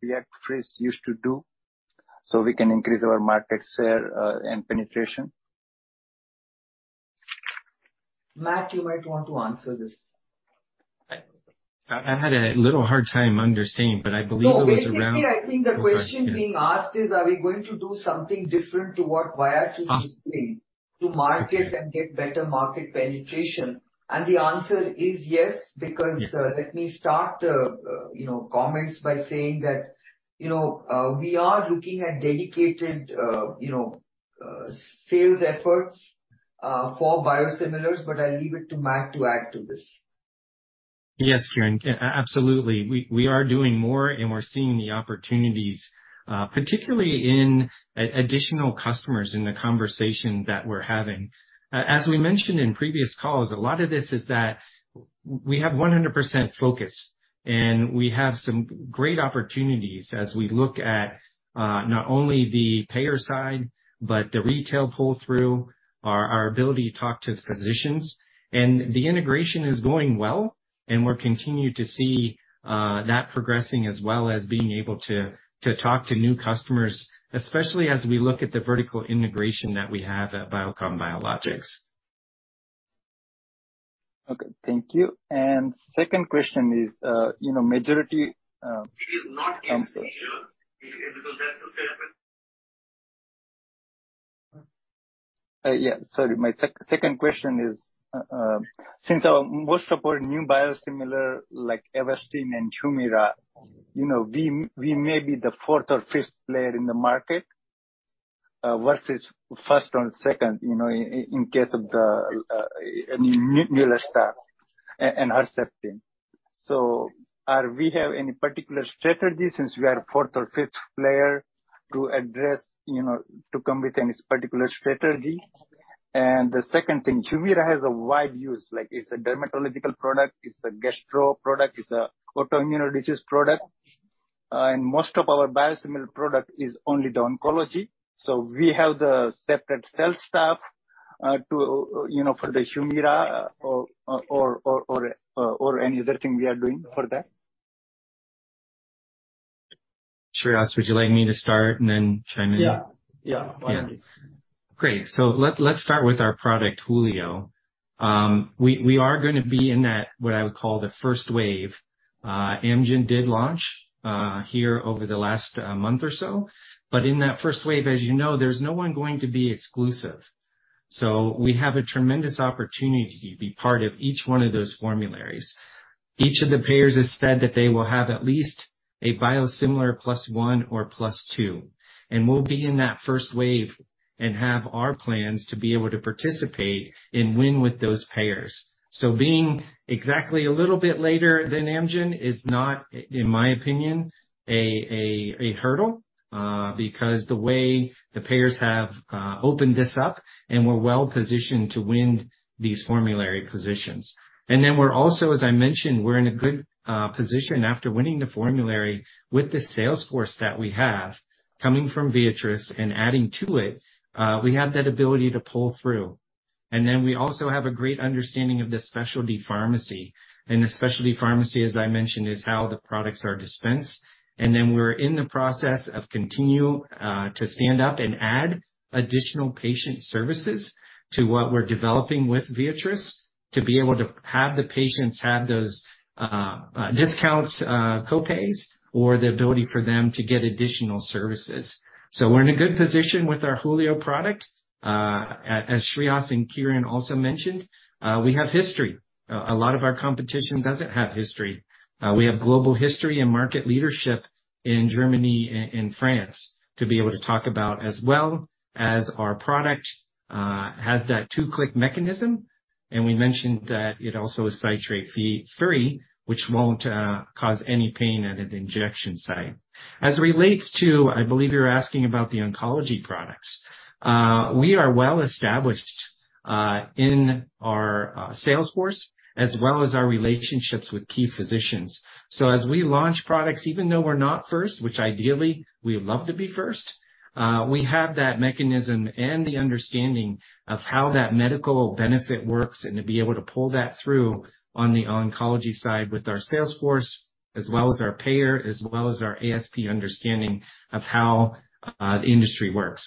Viatris used to do so we can increase our market share, and penetration? Matt, you might want to answer this. I had a little hard time understanding, but I believe it was. Basically, I think the question being asked is, are we going to do something different to what Viatris used to do? -to market and get better market penetration? The answer is yes, because... Yes. let me start, you know, comments by saying that, you know, we are looking at dedicated, you know, sales efforts, for biosimilars, but I'll leave it to Matt to add to this. Yes, Kiran, absolutely. We are doing more, we're seeing the opportunities, particularly in additional customers in the conversation that we're having. As we mentioned in previous calls, a lot of this is that we have 100% focus, we have some great opportunities as we look at not only the payer side but the retail pull-through, our ability to talk to physicians. The integration is going well, we're continued to see that progressing as well as being able to talk to new customers, especially as we look at the vertical integration that we have at Biocon Biologics. Okay, thank you. Second question is, you know, majority. It is not in feature because that's a separate... Yeah, sorry. My second question is, since most of our new biosimilar, like Avastin and HUMIRA, you know, we may be the fourth or fifth player in the market, versus first or second, you know, in case of the, I mean, Neulasta and Rituxan. Are we have any particular strategy since we are fourth or fifth player to address, you know, to come with any particular strategy? The second thing, HUMIRA has a wide use. Like it's a dermatological product, it's a gastro product, it's a autoimmune disease product. most of our biosimilar product is only the oncology. We have the separate sales staff to, you know, for the HUMIRA or any other thing we are doing for that? Shreehas, would you like me to start and then chime in? Yeah. Yeah. Great. Let's start with our product, Hulio. We are going to be in that, what I would call the first wave. Amgen did launch here over the last month or so, but in that first wave, as you know, there's no one going to be exclusive. We have a tremendous opportunity to be part of each one of those formularies. Each of the payers has said that they will have at least a biosimilar plus one or plus two. We'll be in that first wave and have our plans to be able to participate and win with those payers. Being exactly a little bit later than Amgen is not, in my opinion, a hurdle, because the way the payers have opened this up, and we're well-positioned to win these formulary positions. We're also, as I mentioned, we're in a good position after winning the formulary with the sales force that we have coming from ViiV and adding to it, we have that ability to pull through. We also have a great understanding of the specialty pharmacy. The specialty pharmacy, as I mentioned, is how the products are dispensed. We're in the process of continue to stand up and add additional patient services to what we're developing with ViiV to be able to have the patients have those discount co-pays or the ability for them to get additional services. We're in a good position with our Hulio product. As Shryas and Kiran also mentioned, we have history. A lot of our competition doesn't have history. We have global history and market leadership in Germany and France to be able to talk about, as well as our product, has that 2-click mechanism. We mentioned that it also is citrate-free, which won't cause any pain at an injection site. As it relates to, I believe you're asking about the oncology products. We are well established in our sales force as well as our relationships with key physicians. As we launch products, even though we're not first, which ideally we would love to be first, we have that mechanism and the understanding of how that medical benefit works, and to be able to pull that through on the oncology side with our sales force, as well as our payer, as well as our ASP understanding of how the industry works.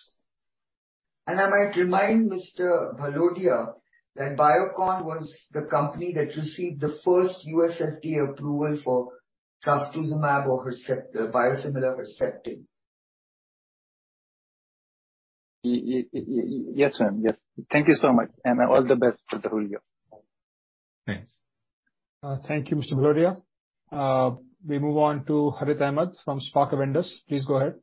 I might remind Mr. Bhalotia that Biocon was the company that received the first USFDA approval for trastuzumab or biosimilar Herceptin. Yes, ma'am. Yes. Thank you so much, and all the best for the whole year. Thanks. Thank you, Mr. Bhalotia. We move on to Harit Ahmad from Spark Ventures. Please go ahead.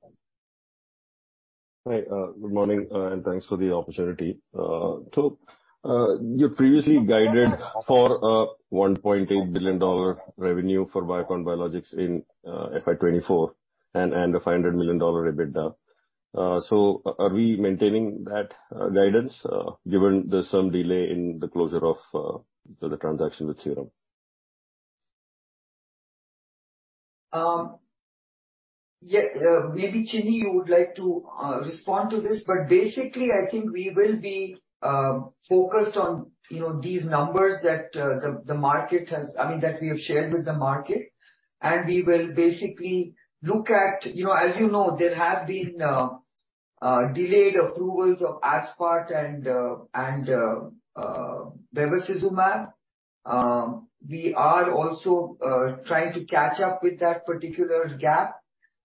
Hi. Good morning, thanks for the opportunity. You previously guided for $1.8 billion revenue for Biocon Biologics in FY24 and $100 million EBITDA. Are we maintaining that guidance given there's some delay in the closure of the transaction with Serum? Yeah, maybe Chinni would like to respond to this, but basically, I think we will be focused on, you know, these numbers that the market has... I mean, that we have shared with the market. We will basically look at, you know, as you know, there have been delayed approvals of aspart and bevacizumab. We are also trying to catch up with that particular gap,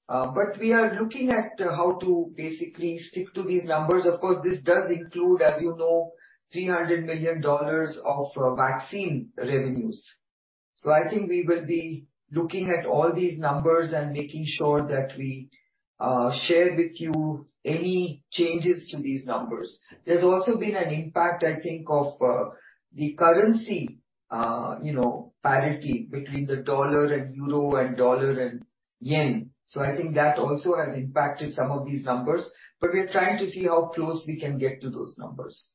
but we are looking at how to basically stick to these numbers. Of course, this does include, as you know, $300 million of vaccine revenues. I think we will be looking at all these numbers and making sure that we share with you any changes to these numbers. There's also been an impact, I think, of the currency, you know, parity between the dollar and euro and dollar and yen. I think that also has impacted some of these numbers, but we are trying to see how close we can get to those numbers.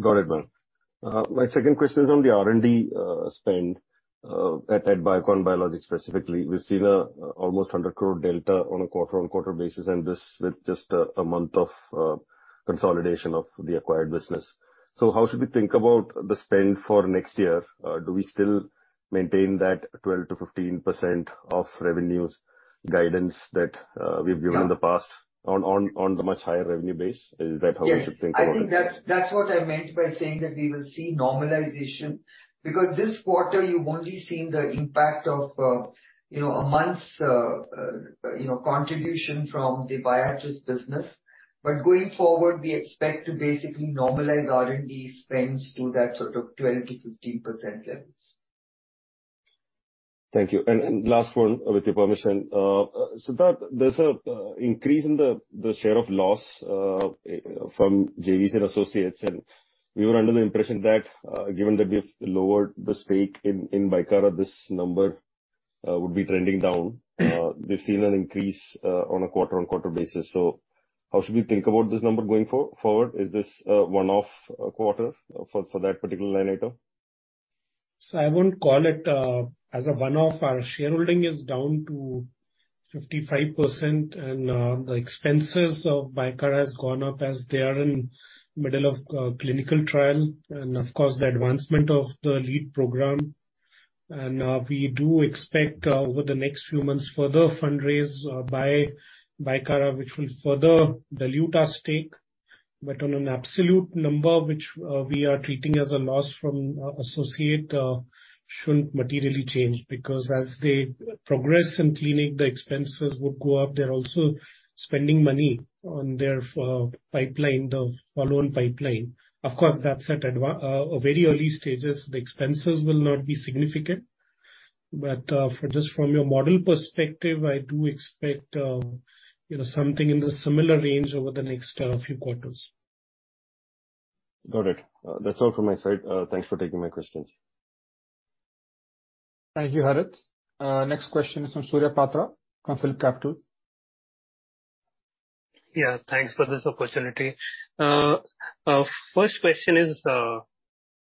Got it, ma'am. My second question is on the R&D spend at Biocon Biologics specifically. We've seen almost 100 crore delta on a quarter-on-quarter basis, and this with just a month of consolidation of the acquired business. How should we think about the spend for next year? Do we still maintain that 12%-15% of revenues guidance that we've given in the past on the much higher revenue base? Is that how we should think about it? Yes. I think that's what I meant by saying that we will see normalization, because this quarter you've only seen the impact of, you know, a month's, you know, contribution from the Viatris business. Going forward, we expect to basically normalize R&D spends to that sort of 12%-15% levels. Thank you. Last one, with your permission. Siddharth, there's a increase in the share of loss from JVs and associates, and we were under the impression that given that we've lowered the stake in Bicara, this number would be trending down. We've seen an increase on a quarter-on-quarter basis, so how should we think about this number going forward? Is this a one-off quarter for that particular line item? I won't call it as a one-off. Our shareholding is down to 55% and the expenses of Bicara has gone up as they are in middle of clinical trial and of course, the advancement of the lead program. We do expect over the next few months, further fundraise by Bicara, which will further dilute our stake. On an absolute number, which we are treating as a loss from a associate, shouldn't materially change, because as they progress in clinic, the expenses would go up. They're also spending money on their pipeline, the follow-on pipeline. Of course, that's at a very early stages. The expenses will not be significant. For just from a model perspective, I do expect, you know, something in the similar range over the next few quarters. Got it. That's all from my side. Thanks for taking my questions. Thank you, Harit. Next question is from Surya Patra from PhillipCapital. Thanks for this opportunity. First question is,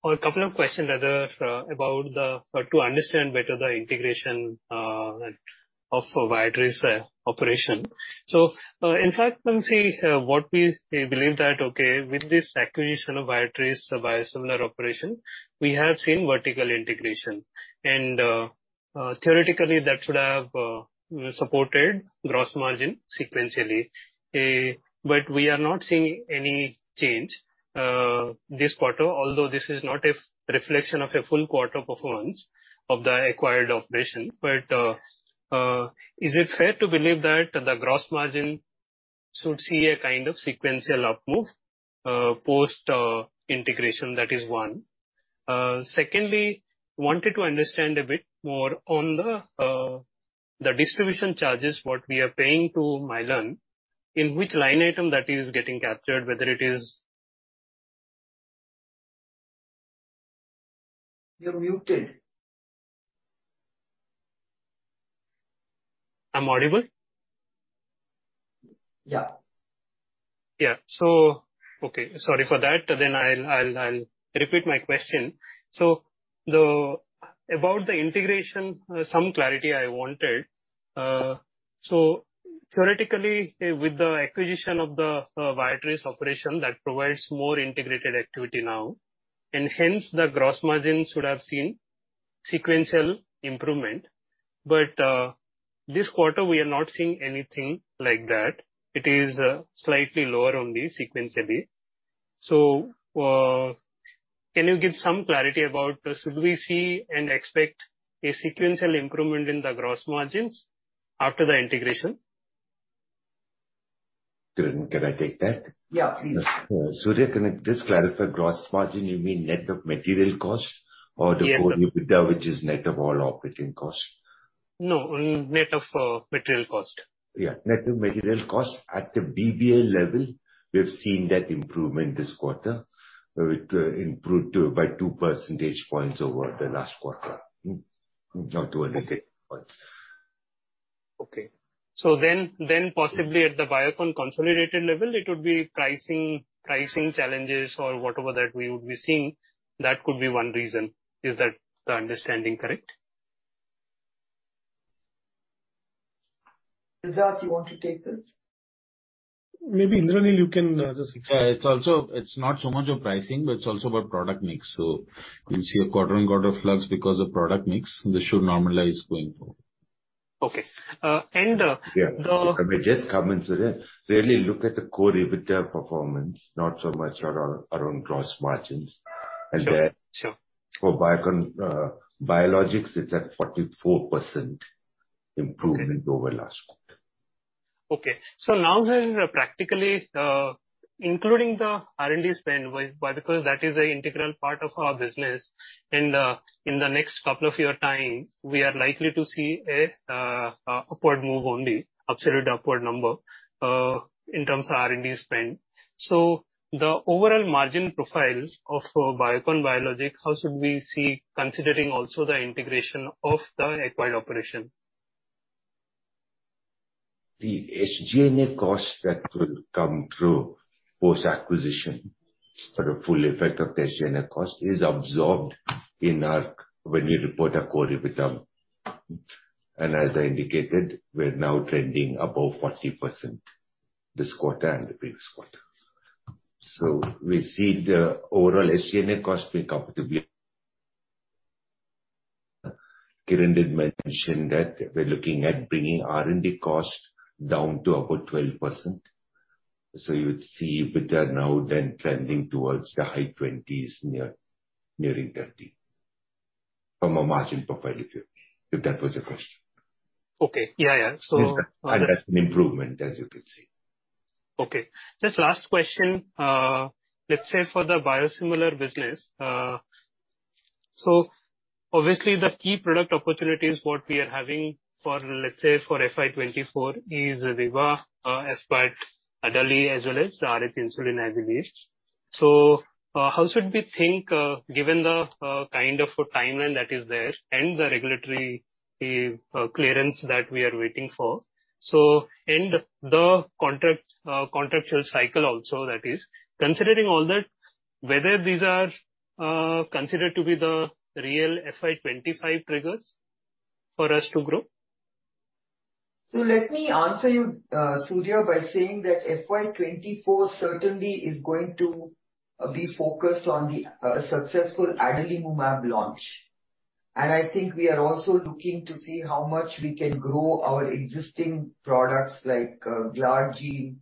or a couple of questions rather, to understand better the integration of Viatris operation. In fact, when we see what we believe that, okay, with this acquisition of Viatris, the biosimilar operation, we have seen vertical integration. Theoretically, that should have supported gross margin sequentially. We are not seeing any change this quarter, although this is not a reflection of a full quarter performance of the acquired operation. Is it fair to believe that the gross margin should see a kind of sequential up move post integration? That is one. Secondly, wanted to understand a bit more on the distribution charges, what we are paying to Mylan, in which line item that is getting captured? You're muted. I'm audible? Yeah. Okay. Sorry for that. I'll repeat my question. About the integration, some clarity I wanted. Theoretically, with the acquisition of the Viatris operation that provides more integrated activity now, and hence the gross margins should have seen sequential improvement. This quarter we are not seeing anything like that. It is slightly lower only sequentially. Can you give some clarity about should we see and expect a sequential improvement in the gross margins after the integration? Kiran, can I take that? Yeah, please. Surya, can I just clarify, gross margin you mean net of material cost- Yes. The Core EBITDA, which is net of all operating costs? No, net of material cost. Yeah, net of material cost. At the BBA level, we have seen that improvement this quarter, where it improved by 2 percentage points over the last quarter. Now 200 points. Possibly at the Biocon consolidated level, it would be pricing challenges or whatever that we would be seeing, that could be one reason. Is that the understanding correct? Saj, do you want to take this? Maybe, Indranil, you can just explain. Yeah. It's also... It's not so much of pricing, but it's also about product mix. You'll see a quarter-on-quarter flux because of product mix. This should normalize going forward. Okay. Yeah. Can I just comment, Surya? Really look at the Core EBITDA performance, not so much around gross margins. Sure, sure. There, for Biocon Biologics, it's at 44% improvement over last quarter. Okay. Now, since practically, including the R&D spend by... Because that is a integral part of our business, in the next couple of year time, we are likely to see a upward move only, absolute upward number, in terms of R&D spend. The overall margin profile of Biocon Biologics, how should we see, considering also the integration of the acquired operation? The SG&A costs that will come through post-acquisition, sort of full effect of the SG&A cost, is absorbed in our when you report our core EBITDA. As I indicated, we're now trending above 40% this quarter and the previous quarters. We see the overall SG&A cost being comfortably. Kiran did mention that we're looking at bringing R&D costs down to about 12%. You would see EBITDA now then trending towards the high 20s, nearing 30 from a margin profile, if that was the question. Okay. Yeah, yeah. That's an improvement, as you can see. Just last question. Let's say for the biosimilar business, so obviously the key product opportunities what we are having for, let's say for FY 2024 is Reva, aspart, Adali as well as Rh Insulin Analogs. How should we think, given the kind of a timeline that is there and the regulatory clearance that we are waiting for, so and the contract, contractual cycle also that is, considering all that, whether these are considered to be the real FY 2025 triggers for us to grow? Let me answer you, Surya, by saying that FY 24 certainly is going to be focused on the successful Adalimumab launch. I think we are also looking to see how much we can grow our existing products like Glargine,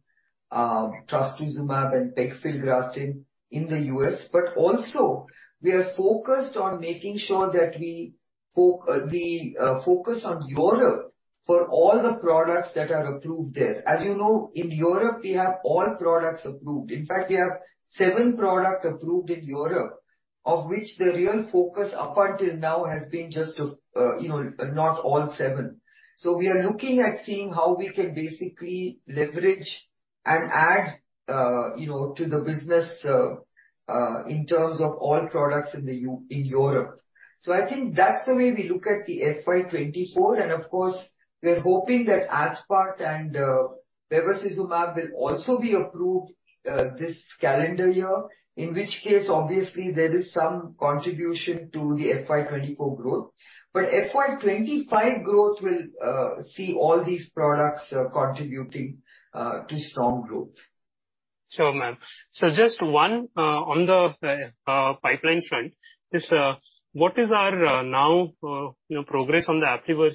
Trastuzumab and Pegfilgrastim in the US. Also we are focused on making sure that we focus on Europe for all the products that are approved there. As you know, in Europe, we have all products approved. In fact, we have seven product approved in Europe, of which the real focus up until now has been just of, you know, not all seven. We are looking at seeing how we can basically leverage and add, you know, to the business in terms of all products in Europe. I think that's the way we look at the FY 2024. Of course, we're hoping that aspart and Bevacizumab will also be approved this calendar year. In which case, obviously there is some contribution to the FY 2024 growth. FY 2025 growth will see all these products contributing to strong growth. Sure, ma'am. Just one on the pipeline front. This, what is our now, you know, progress on the Aplivor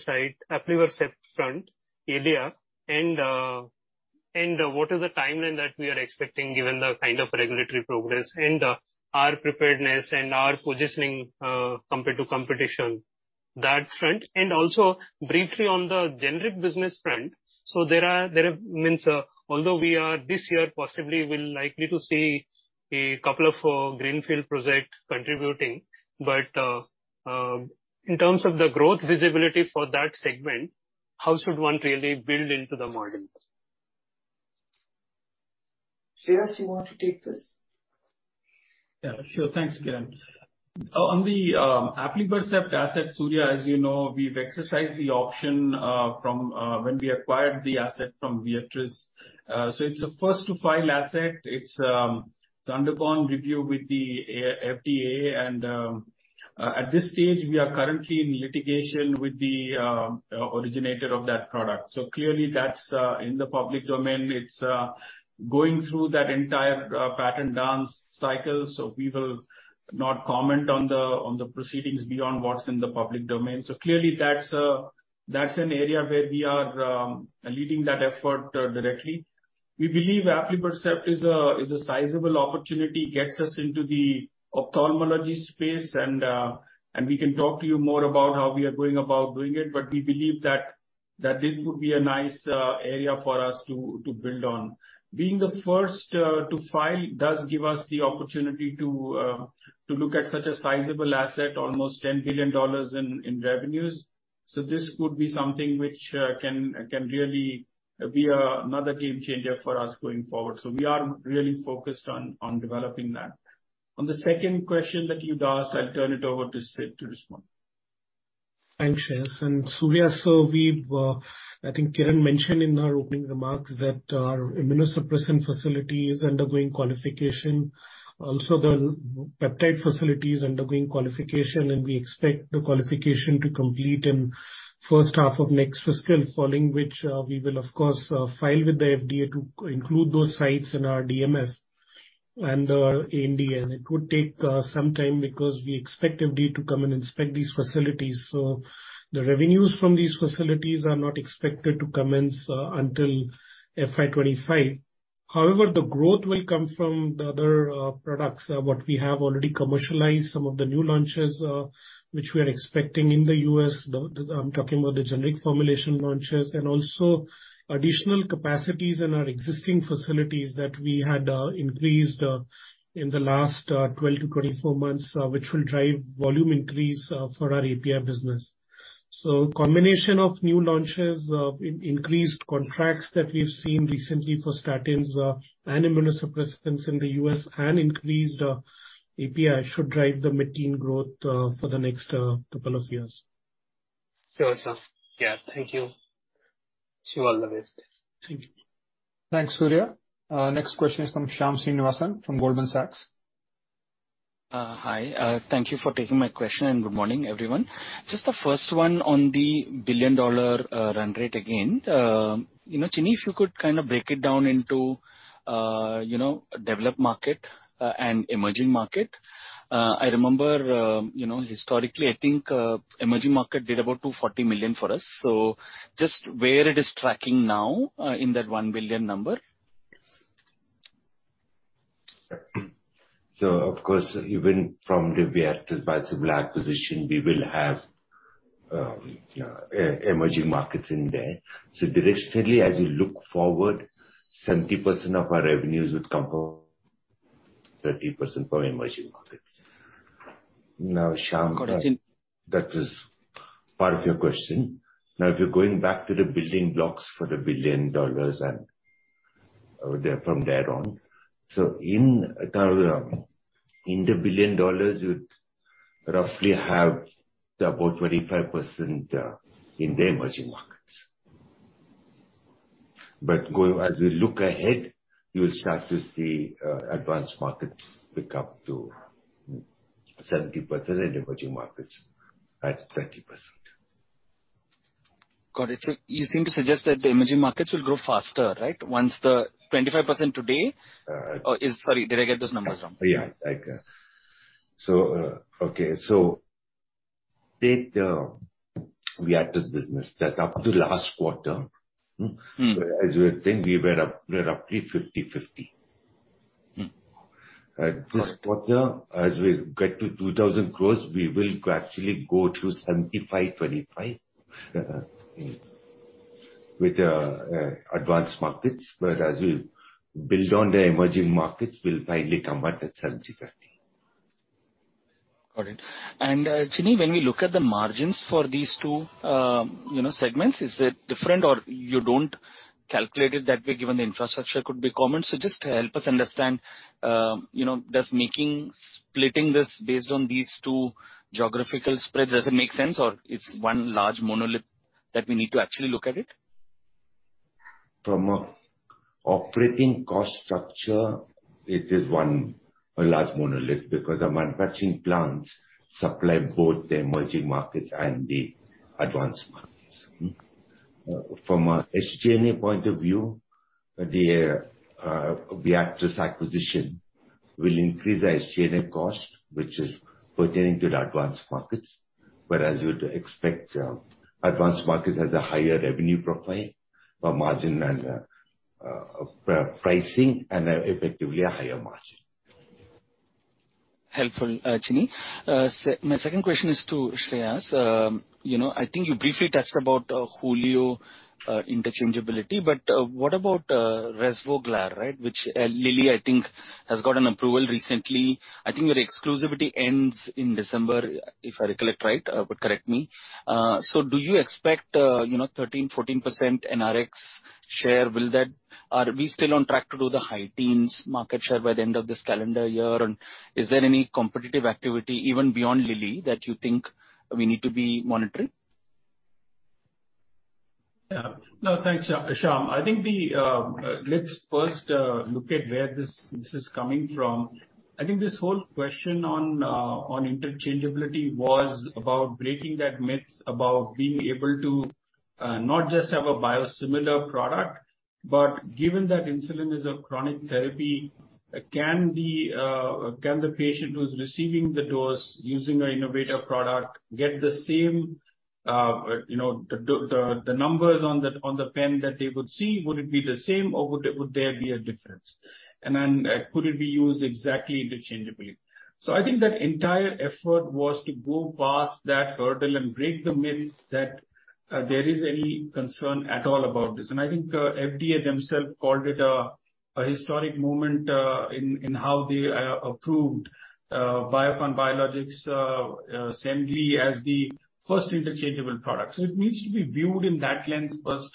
site front area and what is the timeline that we are expecting given the kind of regulatory progress and our preparedness and our positioning compared to competition, that front? Also briefly on the generic business front. There are. Although we are this year possibly will likely to see a couple of greenfield project contributing, but in terms of the growth visibility for that segment, how should one really build into the models? Shreyas, you want to take this? Yeah, sure. Thanks, Kiran. On the Aflibercept asset, Surya, as you know, we've exercised the option from when we acquired the asset from Viatris. It's a first to file asset. It's undergone review with the FDA and at this stage, we are currently in litigation with the originator of that product. Clearly that's in the public domain. It's going through that entire patent dance cycle. We will not comment on the proceedings beyond what's in the public domain. Clearly that's an area where we are leading that effort directly. We believe Aflibercept is a sizable opportunity, gets us into the ophthalmology space and we can talk to you more about how we are going about doing it, but we believe that this would be a nice area for us to build on. Being the first to file does give us the opportunity to look at such a sizable asset, almost $10 billion in revenues. This could be something which can really be another game changer for us going forward. We are really focused on developing that. On the second question that you'd asked, I'll turn it over to Sid to respond. Thanks, Shreehas. Surya, we've, I think Kiran mentioned in our opening remarks that our immunosuppressant facility is undergoing qualification. The peptide facility is undergoing qualification, and we expect the qualification to complete in first half of next fiscal, following which, we will of course, file with the FDA to include those sites in our DMF and in India. It could take some time because we expect FDA to come and inspect these facilities, so the revenues from these facilities are not expected to commence until FY 2025. The growth will come from the other products, what we have already commercialized, some of the new launches, which we are expecting in the US. The... I'm talking about the generic formulation launches and also additional capacities in our existing facilities that we had increased in the last 12-24 months, which will drive volume increase for our API business. Combination of new launches, increased contracts that we've seen recently for statins and immunosuppressants in the US, and increased API should drive the mainstream growth for the next couple of years. Sure, sir. Yeah. Thank you. To all the best. Thank you. Thanks, Surya. Next question is from Shyam Srinivasan from Goldman Sachs. Hi. Thank you for taking my question and good morning, everyone. Just the first one on the billion-dollar run rate again. you know, Chini, if you could kind of break it down into, you know, developed market and emerging market? I remember, you know, historically, I think, emerging market did about $240 million for us. Just where it is tracking now, in that $1 billion number? Of course, even from the Viatris biosimilar acquisition, we will have emerging markets in there. Directionally, as you look forward, 70% of our revenues would come from 30% from emerging markets. Now, Shyam- Got it. That was part of your question. If you're going back to the building blocks for the $1 billion and from thereon. In the $1 billion you would roughly have about 25% in the emerging markets. As we look ahead, you'll start to see advanced markets pick up to 70% and emerging markets at 30%. Got it. You seem to suggest that the emerging markets will grow faster, right? Once the 25% today. Sorry, did I get those numbers wrong? Yeah. Okay. Take Viatris business. That's up to last quarter. As you would think, we were up, we're roughly 50/50. Got it. At this quarter, as we get to 2,000 crores, we will gradually go to 75/25 with advanced markets, but as we build on the emerging markets, we'll finally come at the 70/30. Got it. Chini, when we look at the margins for these two, you know, segments, is it different or you don't calculate it that way given the infrastructure could be common? Just help us understand, you know, does making, splitting this based on these two geographical spreads, does it make sense or it's one large monolith that we need to actually look at it? From a operating cost structure, it is one, a large monolith because the manufacturing plants supply both the emerging markets and the advanced markets. From a SG&A point of view, the Viatris acquisition will increase the SG&A cost, which is pertaining to the advanced markets, whereas you would expect advanced markets has a higher revenue profile, margin and pricing and effectively a higher margin. Helpful, Chini. My second question is to Shreehas. You know, I think you briefly touched about Hulio interchangeability, but what about Rezvoglar, right, which Lilly, I think has gotten approval recently. I think your exclusivity ends in December, if I recollect right, but correct me. Do you expect, you know, 13%, 14% NRX share, are we still on track to do the high teens market share by the end of this calendar year? Is there any competitive activity even beyond Lilly that you think we need to be monitoring? Yeah. No, thanks, Shyam. I think the let's first look at where this is coming from. I think this whole question on interchangeability was about breaking that myth about being able to not just have a biosimilar product, but given that insulin is a chronic therapy, can the patient who's receiving the dose using our innovative product get the same, you know, the numbers on the pen that they would see, would it be the same or would there be a difference? Then could it be used exactly interchangeably? I think that entire effort was to go past that hurdle and break the myth that there is any concern at all about this. I think FDA themselves called it a historic moment in how they approved Biocon Biologics' Semglee as the first interchangeable product. It needs to be viewed in that lens first,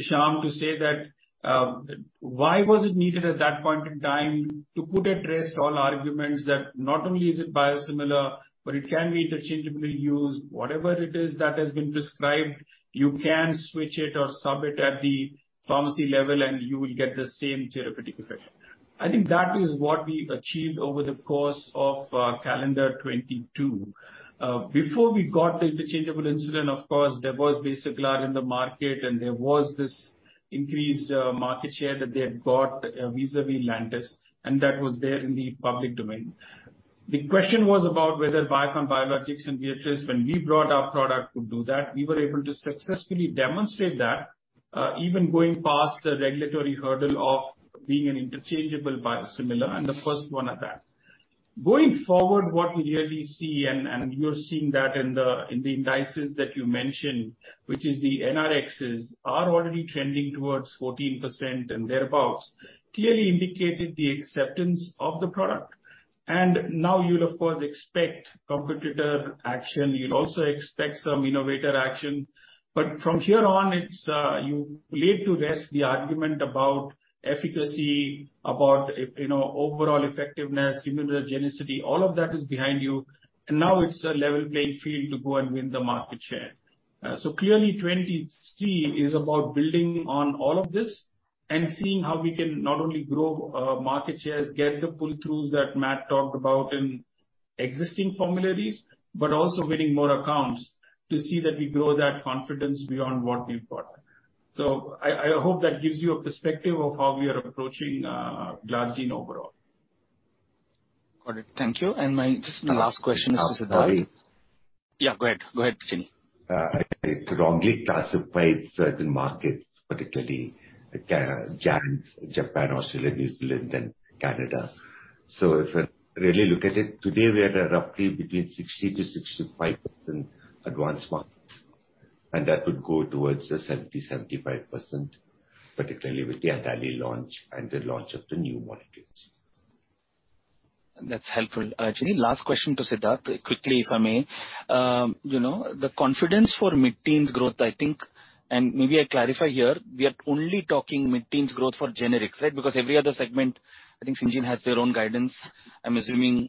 Sham, to say that why was it needed at that point in time? To put at rest all arguments that not only is it biosimilar, but it can be interchangeably used. Whatever it is that has been prescribed, you can switch it or sub it at the pharmacy level, and you will get the same therapeutic effect. I think that is what we've achieved over the course of calendar 2022. Before we got the interchangeable insulin, of course, there was Basaglar in the market, and there was this increased market share that they had got vis-à-vis Lantus, and that was there in the public domain. The question was about whether Biocon Biologics and Viatris, when we brought our product to do that, we were able to successfully demonstrate that even going past the regulatory hurdle of being an interchangeable biosimilar, and the first one at that. Going forward, what we clearly see and you're seeing that in the indices that you mentioned, which is the NRXs are already trending towards 14% and thereabouts, clearly indicated the acceptance of the product. Now you'll of course expect competitor action. You'll also expect some innovator action. From here on, it's you laid to rest the argument about efficacy, about, you know, overall effectiveness, immunogenicity, all of that is behind you. Now it's a level playing field to go and win the market share. Clearly, 2023 is about building on all of this and seeing how we can not only grow market shares, get the pull-throughs that Matt talked about in existing formularies, but also winning more accounts to see that we grow that confidence beyond what we've got. I hope that gives you a perspective of how we are approaching Glargine overall. Got it. Thank you. My, just my last question is to Siddharth. uncertain Yeah, go ahead. Go ahead, Chinni. I wrongly classified certain markets, particularly JANZ, Japan, Australia, New Zealand and Canada. If I really look at it, today we are roughly between 60%-65% advanced markets, and that would go towards the 70%-75%, particularly with the Adali launch and the launch of the new molecules. That's helpful. Chinni, last question to Siddharth, quickly, if I may. You know, the confidence for mid-teens growth, I think, and maybe I clarify here, we are only talking mid-teens growth for generics, right? Because every other segment, I think Syngene has their own guidance. I'm assuming,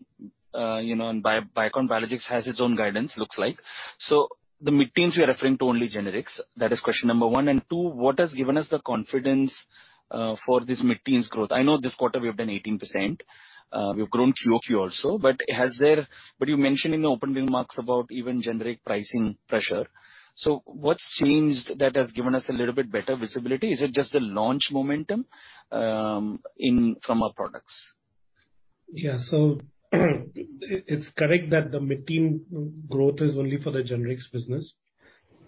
you know, and Biocon Biologics has its own guidance, looks like. So the mid-teens we are referring to only generics. That is question number 1. 2, what has given us the confidence for this mid-teens growth? I know this quarter we have done 18%. We've grown QOQ also. You mentioned in the opening remarks about even generic pricing pressure. What's changed that has given us a little bit better visibility? Is it just the launch momentum in, from our products? Yeah. It's correct that the mid-teen growth is only for the generics business.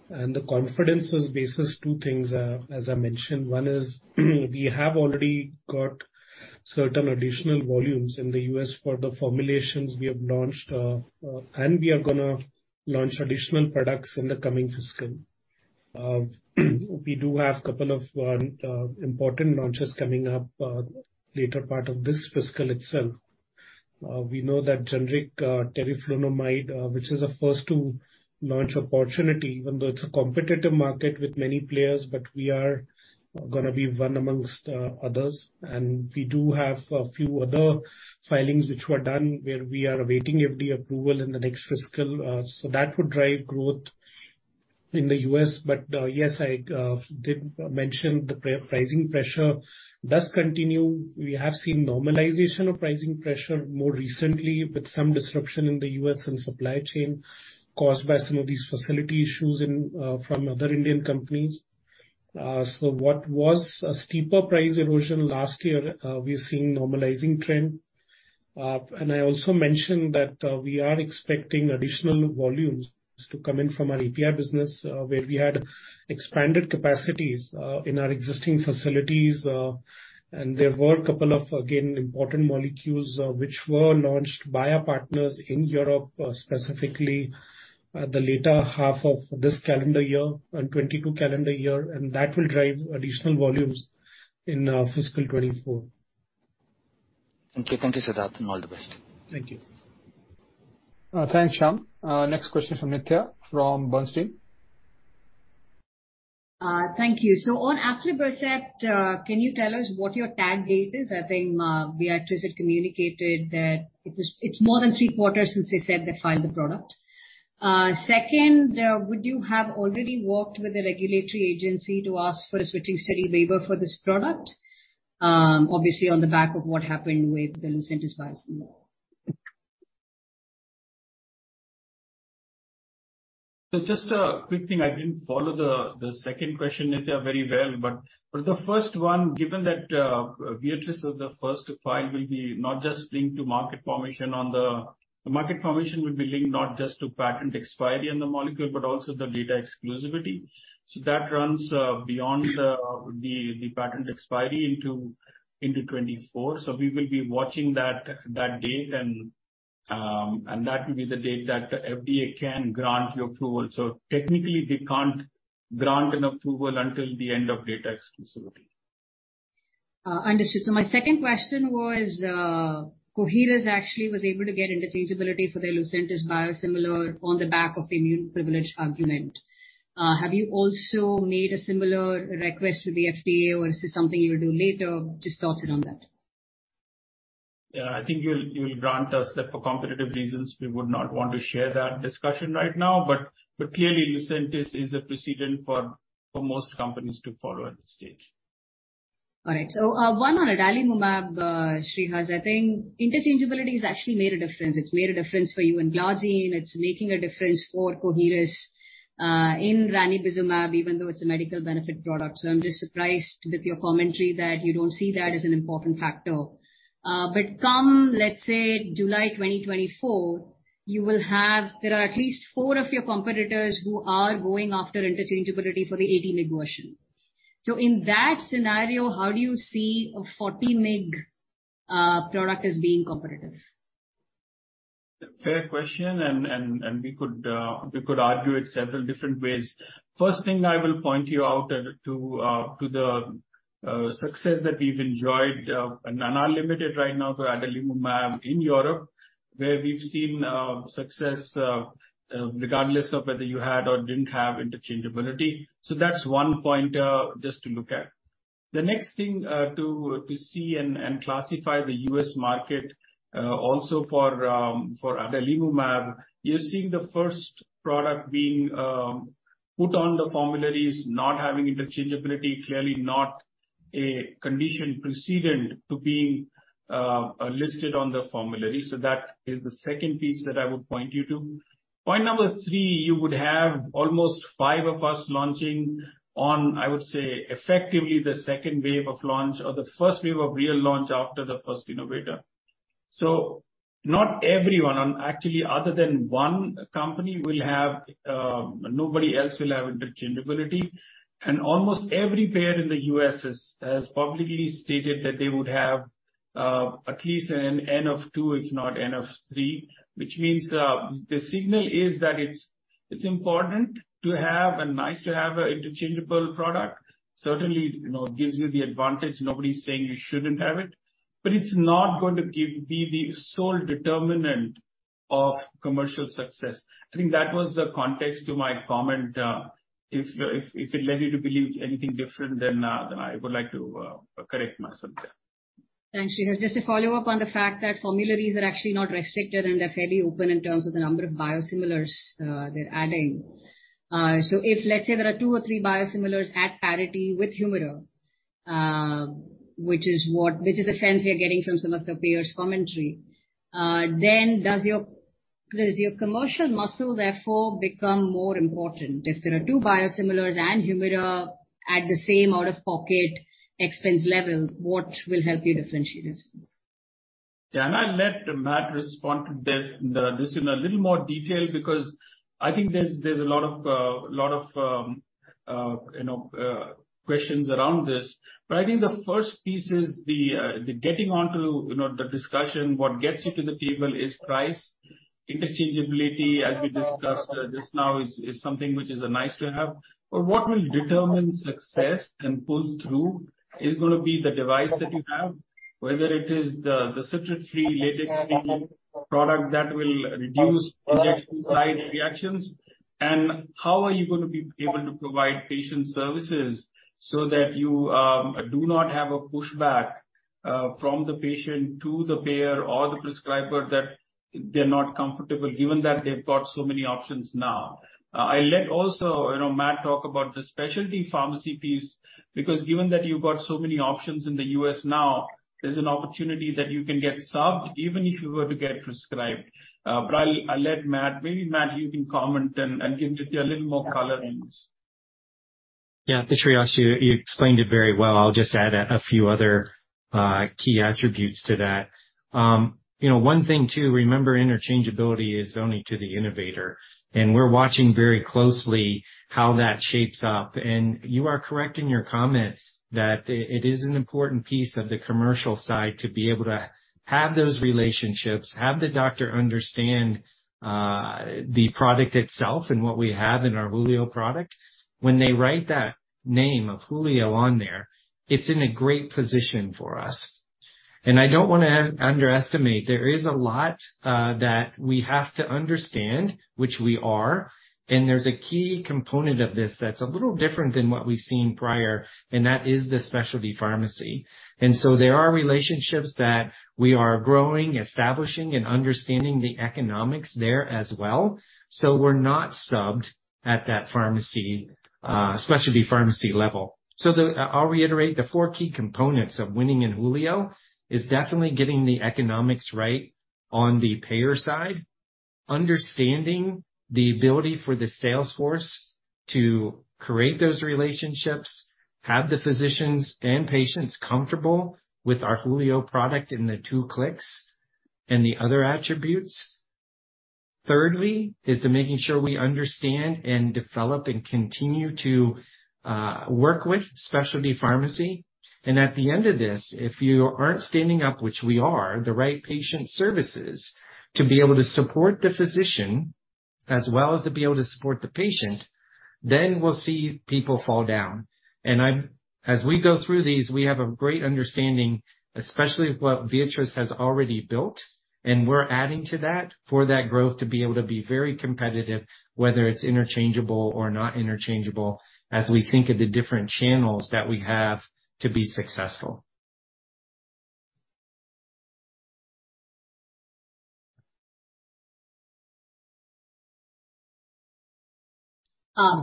The confidence is based as two things, as I mentioned. One is we have already got certain additional volumes in the U.S. for the formulations we have launched, and we are gonna launch additional products in the coming fiscal. We do have couple of important launches coming up later part of this fiscal itself. We know that generic teriflunomide, which is a first-to-launch opportunity, even though it's a competitive market with many players, but we are gonna be one amongst others. We do have a few other filings which were done where we are awaiting FDA approval in the next fiscal. That would drive growth in the U.S. Yes, I did mention the pricing pressure does continue. We have seen normalization of pricing pressure more recently with some disruption in the US and supply chain caused by some of these facility issues in from other Indian companies. What was a steeper price erosion last year, we're seeing normalizing trend. I also mentioned that we are expecting additional volumes to come in from our API business, where we had expanded capacities in our existing facilities. There were a couple of, again, important molecules, which were launched by our partners in Europe, specifically, the later half of this calendar year and 2022 calendar year, and that will drive additional volumes in fiscal 2024. Thank you. Thank you, Siddharth, and all the best. Thank you. Thanks, Shyam. Next question is from Nithya from Bernstein. Thank you. On Aflibercept, can you tell us what your tag date is? I think Viatris had communicated that It's more than three quarters since they said they filed the product. Second, would you have already worked with the regulatory agency to ask for a switching study waiver for this product, obviously on the back of what happened with the Lucentis biosimilar? Just a quick thing. I didn't follow the second question, Nitya, very well, but for the first one, given that Viatris is the first to file will be not just linked to market formation on the. The market formation will be linked not just to patent expiry on the molecule, but also the data exclusivity. That runs beyond the patent expiry into 2024. We will be watching that date and that will be the date that FDA can grant your approval. Technically, they can't grant an approval until the end of data exclusivity. Understood. My second question was, Coherus actually was able to get interchangeability for their Lucentis biosimilar on the back of the immune privilege argument. Have you also made a similar request to the FDA, or is this something you will do later? Just thoughts around that. I think you'll grant us that for competitive reasons we would not want to share that discussion right now. Clearly Lucentis is a precedent for most companies to follow at this stage. All right. one on Adalimumab, Shreehas. I think interchangeability has actually made a difference. It's made a difference for you in Blazyme, it's making a difference for Coherus, in Ranibizumab, even though it's a medical benefit product. I'm just surprised with your commentary that you don't see that as an important factor. But come, let's say, July 2024, you will have... There are at least four of your competitors who are going after interchangeability for the 80 mg version. In that scenario, how do you see a 40 mg product as being competitive? Fair question, and we could argue it several different ways. First thing I will point you out to the success that we've enjoyed and are limited right now to Adalimumab in Europe, where we've seen success regardless of whether you had or didn't have interchangeability. That's one point just to look at. The next thing to see and classify the U.S. market also for Adalimumab, you're seeing the first product being put on the formularies not having interchangeability, clearly not a condition precedent to being listed on the formulary. That is the second piece that I would point you to. Point number three, you would have almost five of us launching on, I would say, effectively the second wave of launch or the first wave of real launch after the first innovator. Not everyone, and actually other than one company will have, nobody else will have interchangeability. Almost every payer in the U.S. has publicly stated that they would have at least an N of two, if not N of three, which means the signal is that it's important to have and nice to have an interchangeable product. Certainly, you know, it gives you the advantage, nobody's saying you shouldn't have it, but it's not going to be the sole determinant of commercial success. I think that was the context to my comment. If it led you to believe anything different, then I would like to correct myself there. Thanks, Shreehas. Just to follow up on the fact that formularies are actually not restricted, and they're fairly open in terms of the number of biosimilars, they're adding. If let's say there are two or three biosimilars at parity with Humira, which is a sense we are getting from some of the payers' commentary, then Does your commercial muscle therefore become more important? If there are two biosimilars and Humira at the same out-of-pocket expense level, what will help you differentiate it? Yeah, and I'll let Matt respond to that, this in a little more detail because I think there's a lot of, you know, questions around this. But I think the first piece is the getting onto, you know, the discussion, what gets you to the table is price. Interchangeability, as we discussed just now, is something which is a nice to have. But what will determine success and pull through is gonna be the device that you have, whether it is the citrate-free, latex-free product that will reduce injection site reactions and how are you gonna be able to provide patient services so that you do not have a pushback from the patient to the payer or the prescriber that they're not comfortable given that they've got so many options now. I'll let also, you know, Matt talk about the specialty pharmacy piece, because given that you've got so many options in the U.S. now, there's an opportunity that you can get subbed even if you were to get prescribed. I'll let Matt. Maybe, Matt, you can comment and give just a little more color in this. Yeah. Shreehas, you explained it very well. I'll just add a few other key attributes to that. You know, one thing too, remember interchangeability is only to the innovator, and we're watching very closely how that shapes up. You are correct in your comment that it is an important piece of the commercial side to be able to have those relationships, have the doctor understand, the product itself and what we have in our Hulio product. When they write that name of Hulio on there, it's in a great position for us. I don't wanna underestimate, there is a lot that we have to understand, which we are, and there's a key component of this that's a little different than what we've seen prior, and that is the specialty pharmacy. There are relationships that we are growing, establishing, and understanding the economics there as well. We're not subbed at that pharmacy, specialty pharmacy level. I'll reiterate, the four key components of winning in Hulio is definitely getting the economics right on the payer side, understanding the ability for the sales force to create those relationships, have the physicians and patients comfortable with our Hulio product in the two clicks and the other attributes. Thirdly is to making sure we understand and develop and continue to work with specialty pharmacy. At the end of this, if you aren't standing up, which we are, the right patient services to be able to support the physician as well as to be able to support the patient, then we'll see people fall down. As we go through these, we have a great understanding, especially what Viatris has already built, and we're adding to that for that growth to be able to be very competitive, whether it's interchangeable or not interchangeable, as we think of the different channels that we have to be successful.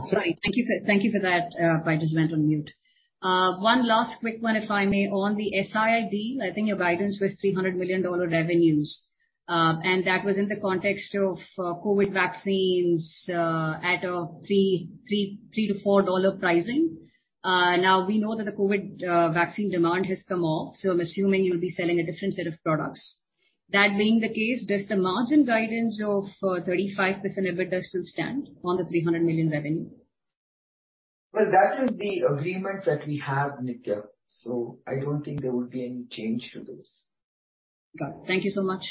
Sorry. Thank you for that. I just went on mute. One last quick one, if I may. On the SBII, I think your guidance was $300 million revenues, and that was in the context of COVID vaccines at a $3-$4 pricing. Now we know that the COVID vaccine demand has come off, so I'm assuming you'll be selling a different set of products. That being the case, does the margin guidance of 35% EBITDA still stand on the $300 million revenue? Well, that is the agreements that we have, Nitya, so I don't think there will be any change to those. Okay. Thank you so much.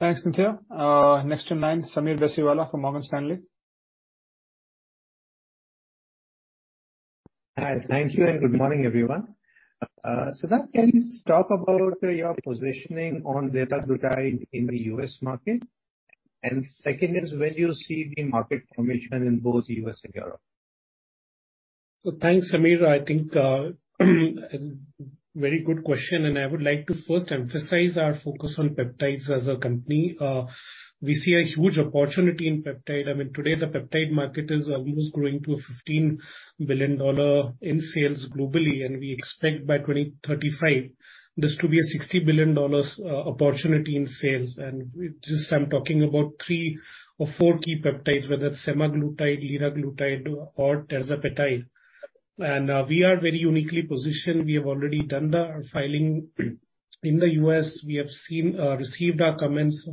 Thanks, Nithya. Next in line, Sameer Besiwalla from Morgan Stanley. Hi. Thank you, and good morning, everyone. Siddiharth, can you talk about your positioning on liraglutide in the US market? Second is, where do you see the market formation in both US and Europe? Thanks, Sameer Besiwalla. I think a very good question. I would like to first emphasize our focus on peptides as a company. We see a huge opportunity in peptide. I mean, today the peptide market is almost growing to a $15 billion in sales globally. We expect by 2035 this to be a $60 billion opportunity in sales. I'm talking about three or four key peptides, whether it's semaglutide, liraglutide or tirzepatide. We are very uniquely positioned. We have already done the filing in the U.S. We have seen received our comments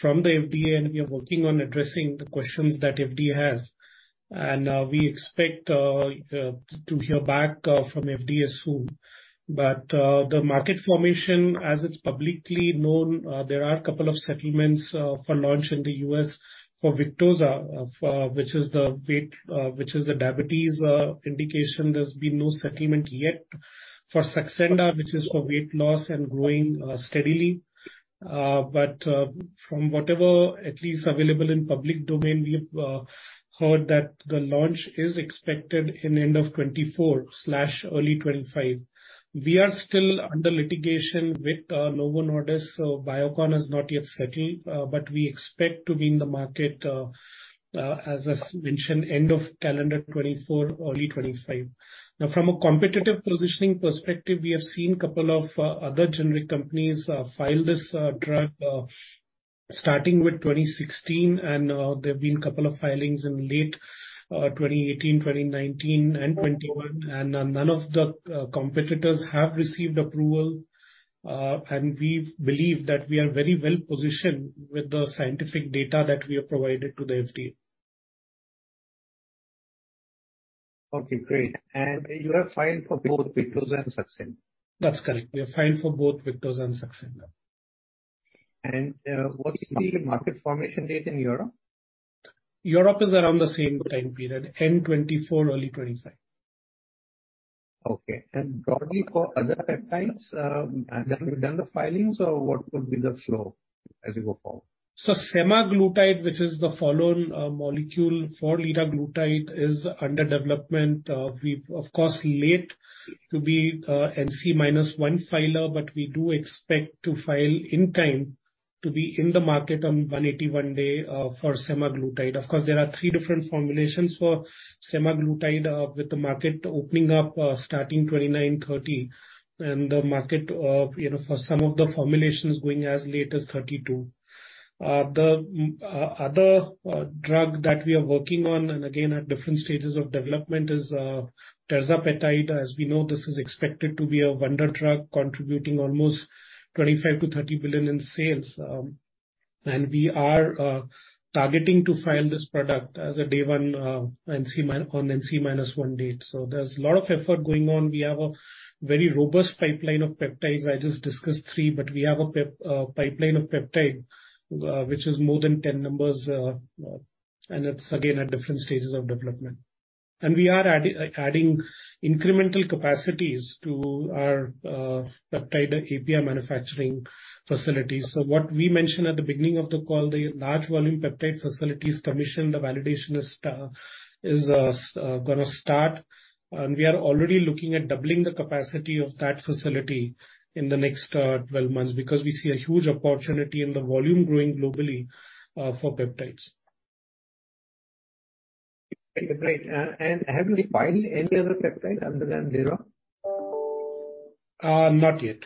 from the FDA. We are working on addressing the questions that FDA has. We expect to hear back from FDA soon. The market formation, as it's publicly known, there are a couple of settlements for launch in the US for Victoza of, which is the weight, which is the diabetes indication. There's been no settlement yet for Saxenda, which is for weight loss and growing steadily. From whatever at least available in public domain, we've heard that the launch is expected in end of 2024/early 2025. We are still under litigation with Novo Nordisk, so Biocon has not yet settled, but we expect to be in the market, as I mentioned, end of calendar 2024, early 2025. From a competitive positioning perspective, we have seen couple of other generic companies file this drug starting with 2016 and there have been a couple of filings in late 2018, 2019 and 2021. None of the competitors have received approval and we believe that we are very well-positioned with the scientific data that we have provided to the FDA. Okay, great. You have filed for both Victoza and Saxenda? That's correct. We have filed for both Victoza and Saxenda. What's the market formation date in Europe? Europe is around the same time period, end 2024, early 2025. Okay. broadly for other peptides, have you done the filings or what would be the flow as you go forward? Semaglutide, which is the follow-on molecule for liraglutide, is under development. We of course late to be NC minus one filer, but we do expect to file in time to be in the market on 181-day for semaglutide. Of course, there are three different formulations for semaglutide, with the market opening up starting 2029, 2030, and the market, you know, for some of the formulations going as late as 2032. The other drug that we are working on, and again at different stages of development is tirzepatide. As we know, this is expected to be a wonder drug contributing almost $25 billion-$30 billion in sales. We are targeting to file this product as a Day 1 on NC minus one date. There's a lot of effort going on. We have a very robust pipeline of peptides. I just discussed 3, but we have a pipeline of peptide, which is more than 10 numbers. It's again at different stages of development. We are adding incremental capacities to our peptide API manufacturing facilities. What we mentioned at the beginning of the call, the large volume peptide facilities commission, the validation is gonna start, and we are already looking at doubling the capacity of that facility in the next 12 months, because we see a huge opportunity in the volume growing globally for peptides. Great. Have you filed any other peptide other than Dero? Not yet.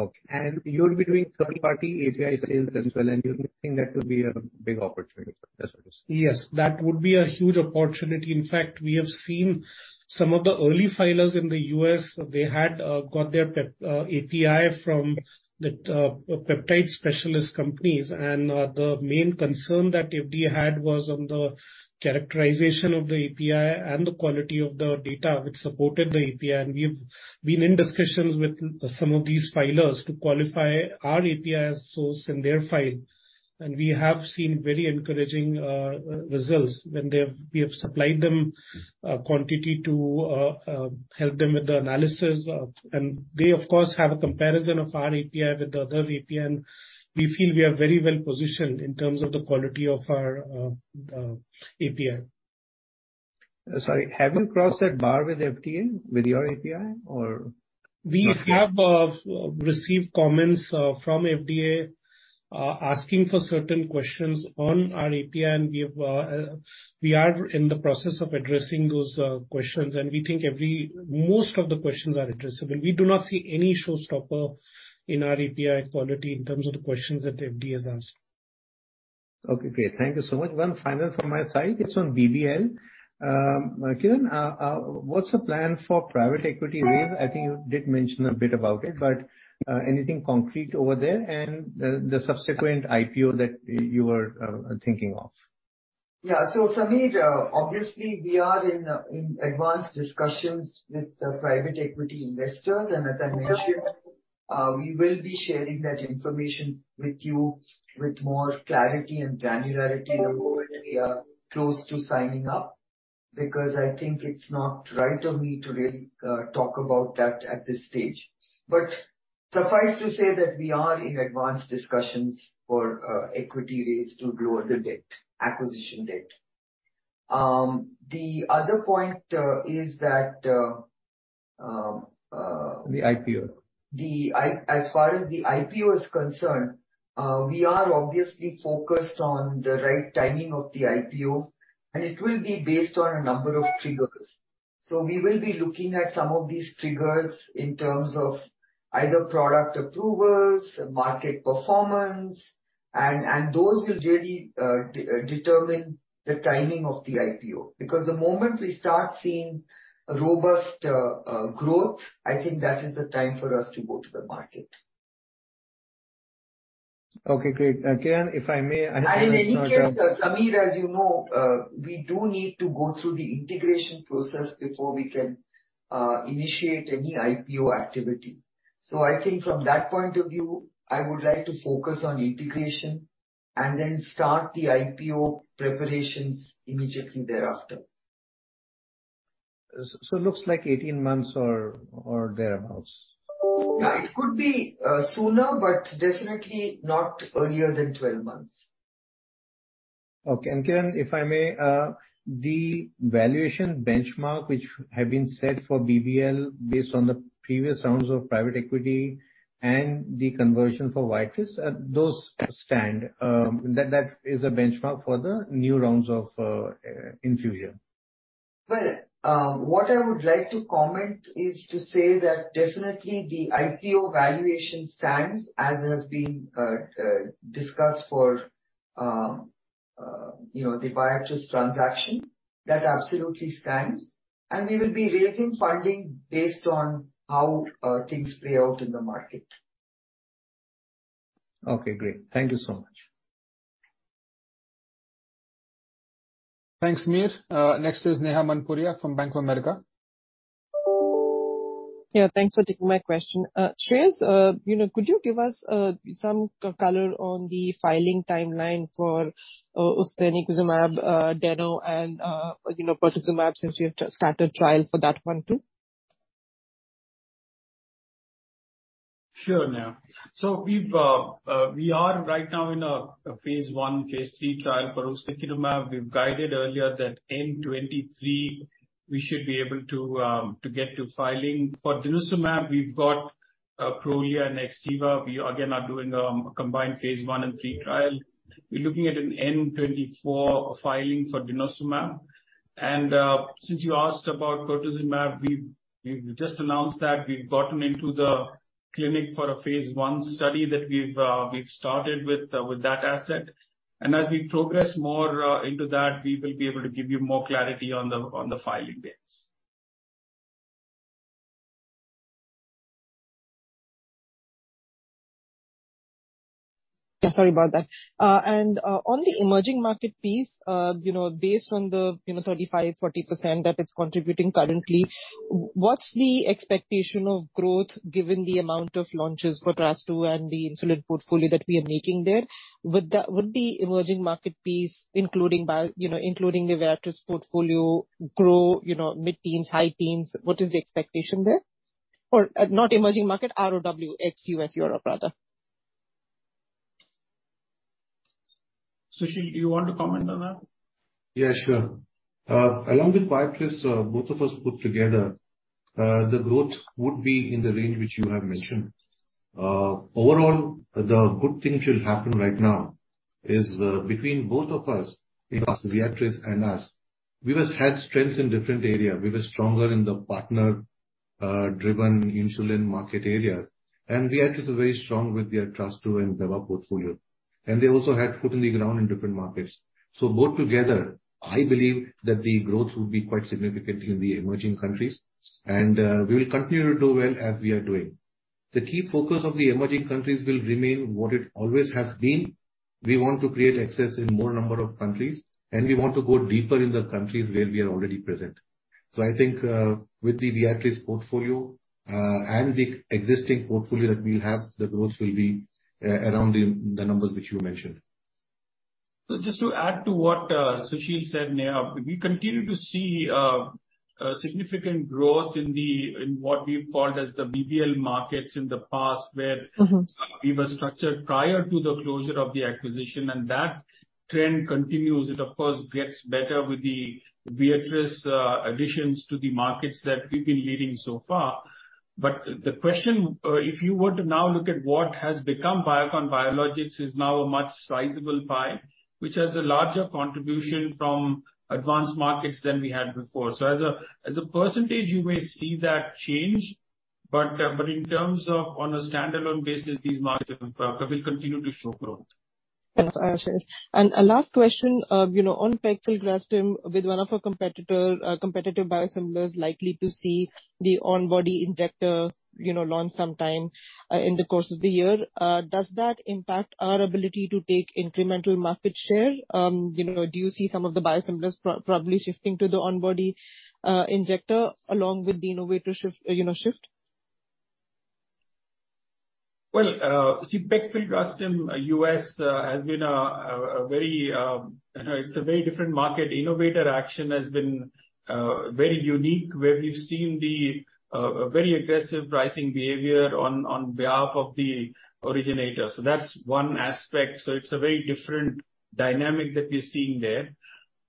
Okay. You'll be doing third-party API sales as well, and you're hoping that will be a big opportunity for Tarsus? Yes. That would be a huge opportunity. In fact, we have seen some of the early filers in the U.S., they had got their API from the peptide specialist companies. The main concern that FDA had was on the characterization of the API and the quality of the data which supported the API. We've been in discussions with some of these filers to qualify our API as source in their file. We have seen very encouraging results when we have supplied them quantity to help them with the analysis. They of course have a comparison of our API with the other API, and we feel we are very well-positioned in terms of the quality of our API. Sorry, have you crossed that bar with FDA with your API or not yet? We have received comments from FDA asking for certain questions on our API, and we've, we are in the process of addressing those questions, and we think most of the questions are addressable. We do not see any showstopper in our API quality in terms of the questions that FDA has asked. Okay, great. Thank you so much. One final from my side. It's on BBL. Kiran, what's the plan for private equity raise? I think you did mention a bit about it, but anything concrete over there and the subsequent IPO that you are thinking of. Yeah. Sameer, obviously we are in advanced discussions with the private equity investors. As I mentioned, we will be sharing that information with you with more clarity and granularity the moment we are close to signing up, because I think it's not right of me to really talk about that at this stage. Suffice to say that we are in advanced discussions for equity raise to grow the debt, acquisition debt. The other point is that. The IPO. As far as the IPO is concerned, we are obviously focused on the right timing of the IPO. It will be based on a number of triggers. We will be looking at some of these triggers in terms of either product approvals, market performance, and those will really determine the timing of the IPO. The moment we start seeing robust growth, I think that is the time for us to go to the market. Okay, great. Kiran, if I may, I think I must note down- In any case, Sameer, as you know, we do need to go through the integration process before we can initiate any IPO activity. I think from that point of view, I would like to focus on integration and then start the IPO preparations immediately thereafter. It looks like 18 months or thereabouts. Yeah. It could be, sooner, but definitely not earlier than 12 months. Okay. Kiran, if I may, the valuation benchmark which have been set for BBL based on the previous rounds of private equity and the conversion for Viatris, those stand, that is a benchmark for the new rounds of infusion? Well, what I would like to comment is to say that definitely the IPO valuation stands as has been discussed for, you know, the Viatris transaction. That absolutely stands. We will be raising funding based on how things play out in the market. Okay, great. Thank you so much. Thanks, Sameer. Next is Neha Manpuria from Bank of America. Yeah. Thanks for taking my question. Shrees, you know, could you give us some color on the filing timeline for Ustekinumab, Deno, and, you know, Pertuzumab since you have started trial for that one too? Sure, Neha. We are right now in a phase one, phase three trial for ustekinumab. We've guided earlier that N23 we should be able to get to filing. For denosumab, we've got Prolia and Xgeva. We again are doing a combined phase one and three trial. We're looking at an N24 filing for denosumab. Since you asked about pertuzumab, we've just announced that we've gotten into the clinic for a phase one study that we've started with that asset. As we progress more into that, we will be able to give you more clarity on the filing dates. Yeah, sorry about that. On the emerging market piece, you know, based on the, you know, 35%, 40% that it's contributing currently, what's the expectation of growth given the amount of launches for Trastuz and the insulin portfolio that we are making there? Would the emerging market piece including you know, including the Viatris portfolio grow, you know, mid-teens, high teens? What is the expectation there? Not emerging market, ROW ex-US, Europe, rather. Susheel, do you want to comment on that? Yeah, sure. along with Bioplis, both of us put together, the growth would be in the range which you have mentioned. Overall, the good thing which will happen right now is, between both of us, you know, Viatris and us, we have had strengths in different area. We were stronger in the partner, driven insulin market areas, and Viatris is very strong with their Trastuz and Beva portfolio, and they also had foot in the ground in different markets. Both together, I believe that the growth will be quite significant in the emerging countries, and we will continue to do well as we are doing. The key focus of the emerging countries will remain what it always has been. We want to create access in more number of countries, and we want to go deeper in the countries where we are already present. I think with the Viatris portfolio and the existing portfolio that we have, the growth will be around the numbers which you mentioned. Just to add to what, Susheel said, Neha, we continue to see a significant growth in what we've called as the BBL markets in the past. we were structured prior to the closure of the acquisition and that trend continues. It of course gets better with the Viatris additions to the markets that we've been leading so far. The question, if you were to now look at what has become Biocon Biologics is now a much sizable pie, which has a larger contribution from advanced markets than we had before. As a percentage, you may see that change, but in terms of on a standalone basis, these markets will continue to show growth. Yes. A last question. you know, on Pegfilgrastim with one of our competitor, competitive biosimilars likely to see the on-body injector, you know, launch sometime in the course of the year, does that impact our ability to take incremental market share? you know, do you see some of the biosimilars probably shifting to the on-body injector along with the innovator shift? Well, see Pegfilgrastim, U.S., has been a very, you know, it's a very different market. Innovator action has been very unique, where we've seen the very aggressive pricing behavior on behalf of the originator. That's one aspect. It's a very different dynamic that we're seeing there.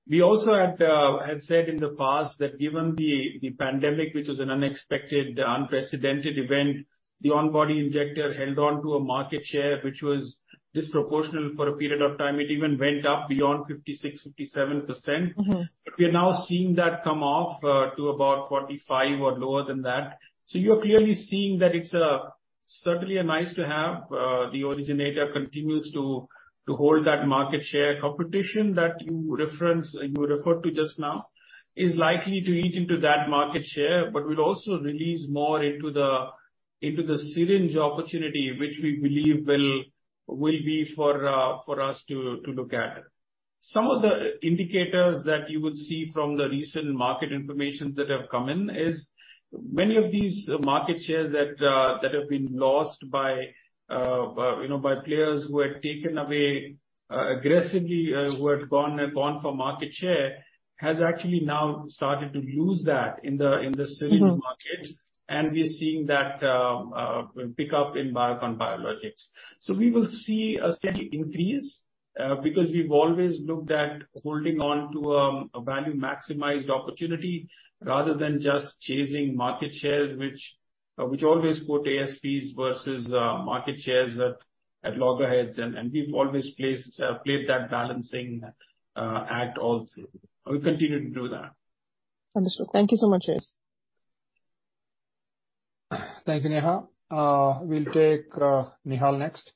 We also had said in the past that given the pandemic, which was an unexpected, unprecedented event, the on-body injector held on to a market share, which was disproportional for a period of time. It even went up beyond 56%, 57%. We are now seeing that come off to about 45 or lower than that. You are clearly seeing that it's a certainly a nice-to-have. The originator continues to hold that market share. Competition that you referenced, you referred to just now is likely to eat into that market share, but will also release more into the, into the syringe opportunity, which we believe will be for us to look at. Some of the indicators that you would see from the recent market informations that have come in is many of these market shares that have been lost by, you know, by players who had taken away aggressively, who had gone for market share has actually now started to lose that in the, in the syringe market. We are seeing that pick up in Biocon Biologics. We will see a steady increase because we've always looked at holding on to a value maximized opportunity rather than just chasing market shares, which always put ASPs versus market shares at loggerheads and we've always played that balancing act also. We'll continue to do that. Understood. Thank you so much, Sheehas. Thank you, Neha. We'll take Nihal next.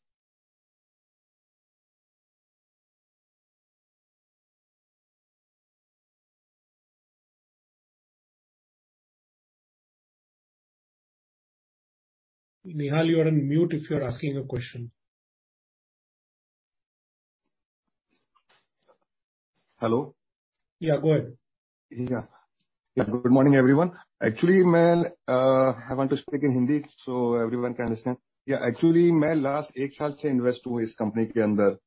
Nihal, you are on mute if you are asking a question. Hello. Yeah, go ahead. Yeah. Good morning, everyone. Actually, ma'am, I want to speak in Hindi so everyone can understand. Yeah, actually. Share price. Yes. Understood.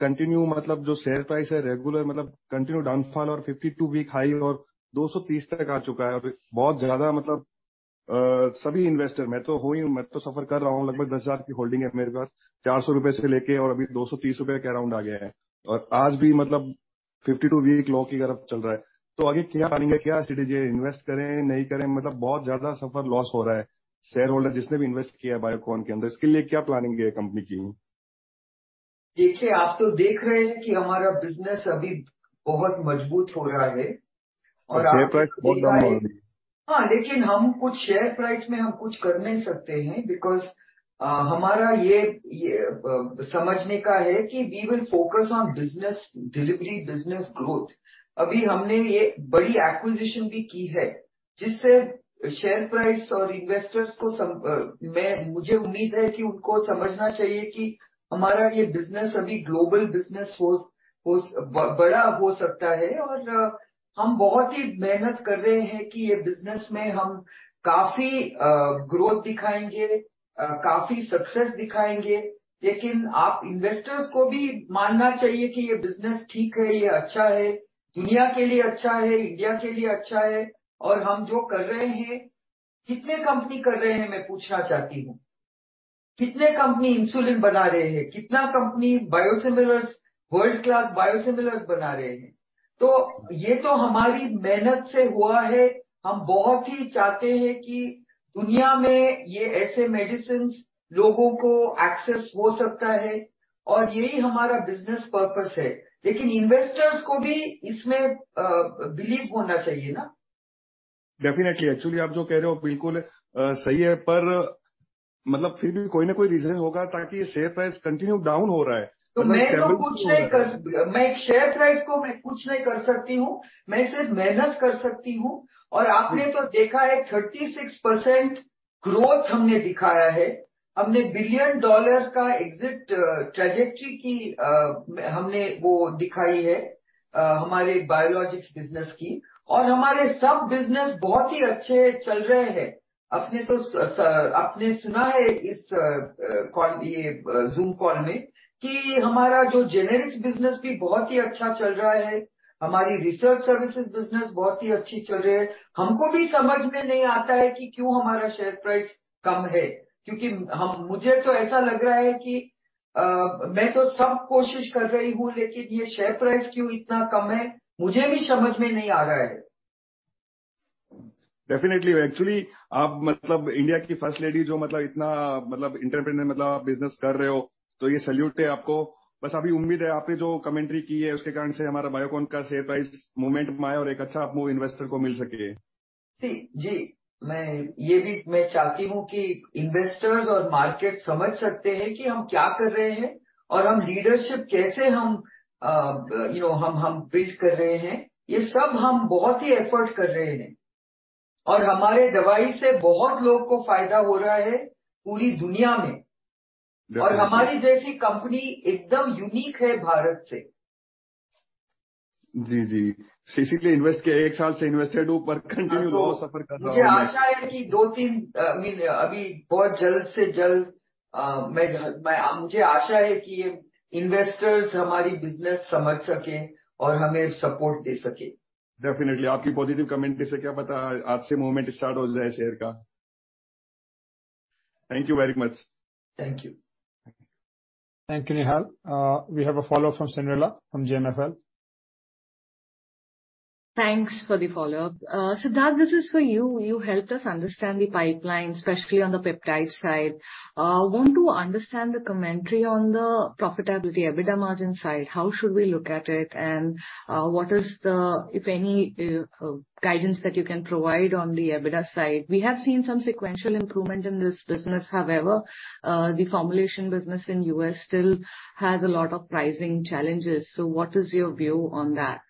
Thank you so much, Hayes. Thank you, Neha. We'll take Nihal next. Nihal, you are on mute if you are asking a question. Hello. Yeah, go ahead. Yeah. Good morning, everyone. Actually, ma'am, I want to speak in Hindi so everyone can understand. Yeah, actually. जिससे share price और investors को मुझे उम्मीद है कि उनको समझना चाहिए कि हमारा यह business अभी global business हो, बड़ा हो सकता है और हम बहुत ही मेहनत कर रहे हैं कि यह business में हम काफी growth दिखाएंगे। काफी success दिखाएंगे। आप investors को भी मानना चाहिए कि यह business ठीक है, यह अच्छा है, दुनिया के लिए अच्छा है, India के लिए अच्छा है और हम जो कर रहे हैं, कितने company कर रहे हैं, मैं पूछना चाहती हूं। कितने company insulin बना रहे हैं, कितना company biosimilars world class biosimilars बना रहे हैं। यह तो हमारी मेहनत से हुआ है। हम बहुत ही चाहते हैं कि दुनिया में यह ऐसे medicines लोगों को access हो सकता है और यही हमारा business purpose है। investors को भी इसमें believe होना चाहिए ना। Definitely actually आप जो कह रहे हो बिल्कुल सही है पर मतलब फिर भी कोई ना कोई reason होगा ताकि share price continue down हो रहा है. मैं share price को मैं कुछ नहीं कर सकती हूं. मैं सिर्फ मेहनत कर सकती हूं और आपने तो देखा है 36% growth हमने दिखाया है. हमने billion-dollar का exit trajectory की हमने वो दिखाई है हमारे Biologics business की और हमारे सब business बहुत ही अच्छे चल रहे हैं. आपने तो सुना है इस call, ये Zoom call में कि हमारा जो generics business भी बहुत ही अच्छा चल रहा है. हमारी research services business बहुत ही अच्छी चल रही है. हमको भी समझ में नहीं आता है कि क्यों हमारा share price कम है. मुझे तो ऐसा लग रहा है कि मैं तो सब कोशिश कर रही हूं लेकिन यह share price क्यों इतना कम है, मुझे भी समझ में नहीं आ रहा है. Definitely actually आप मतलब India की first lady जो मतलब इतना मतलब entrepreneur मतलब business कर रहे हो तो यह salute है आपको. अभी उम्मीद है आपने जो commentary की है उसके कारण से हमारा Biocon का share price movement में आए और एक अच्छा move investor को मिल सके. जी, मैं यह भी चाहती हूं कि investors और market समझ सकते हैं कि हम क्या कर रहे हैं और हम leadership कैसे हम you know हम build कर रहे हैं। यह सब हम बहुत ही effort कर रहे हैं और हमारे दवाई से बहुत लोग को फायदा हो रहा है पूरी दुनिया में और हमारी जैसी company एकदम unique है भारत से। जी, जी specifically invest के 1 साल से invested हूं पर continue loss suffer कर रहा हूं. मुझे आशा है कि दो तीन I mean अभी बहुत जल्द से जल्द मैं, मुझे आशा है कि investors हमारी business समझ सकें और हमें support दे सकें। Definitely आपकी positive comment से क्या पता आज से movement start हो जाए share का। Thank you very much. Thank you. Thank you Nihal. We have a follow up from Cynderella from JMFL. Thanks for the follow up. Siddharth this is for you. You helped us understand the pipeline especially on the peptide side. Want to understand the commentary on the profitability EBITDA margin side. How should we look at it and what is the if any guidance that you can provide on the EBITDA side. We have seen some sequential improvement in this business. However, the formulation business in U.S. still has a lot of pricing challenges. What is your view on that?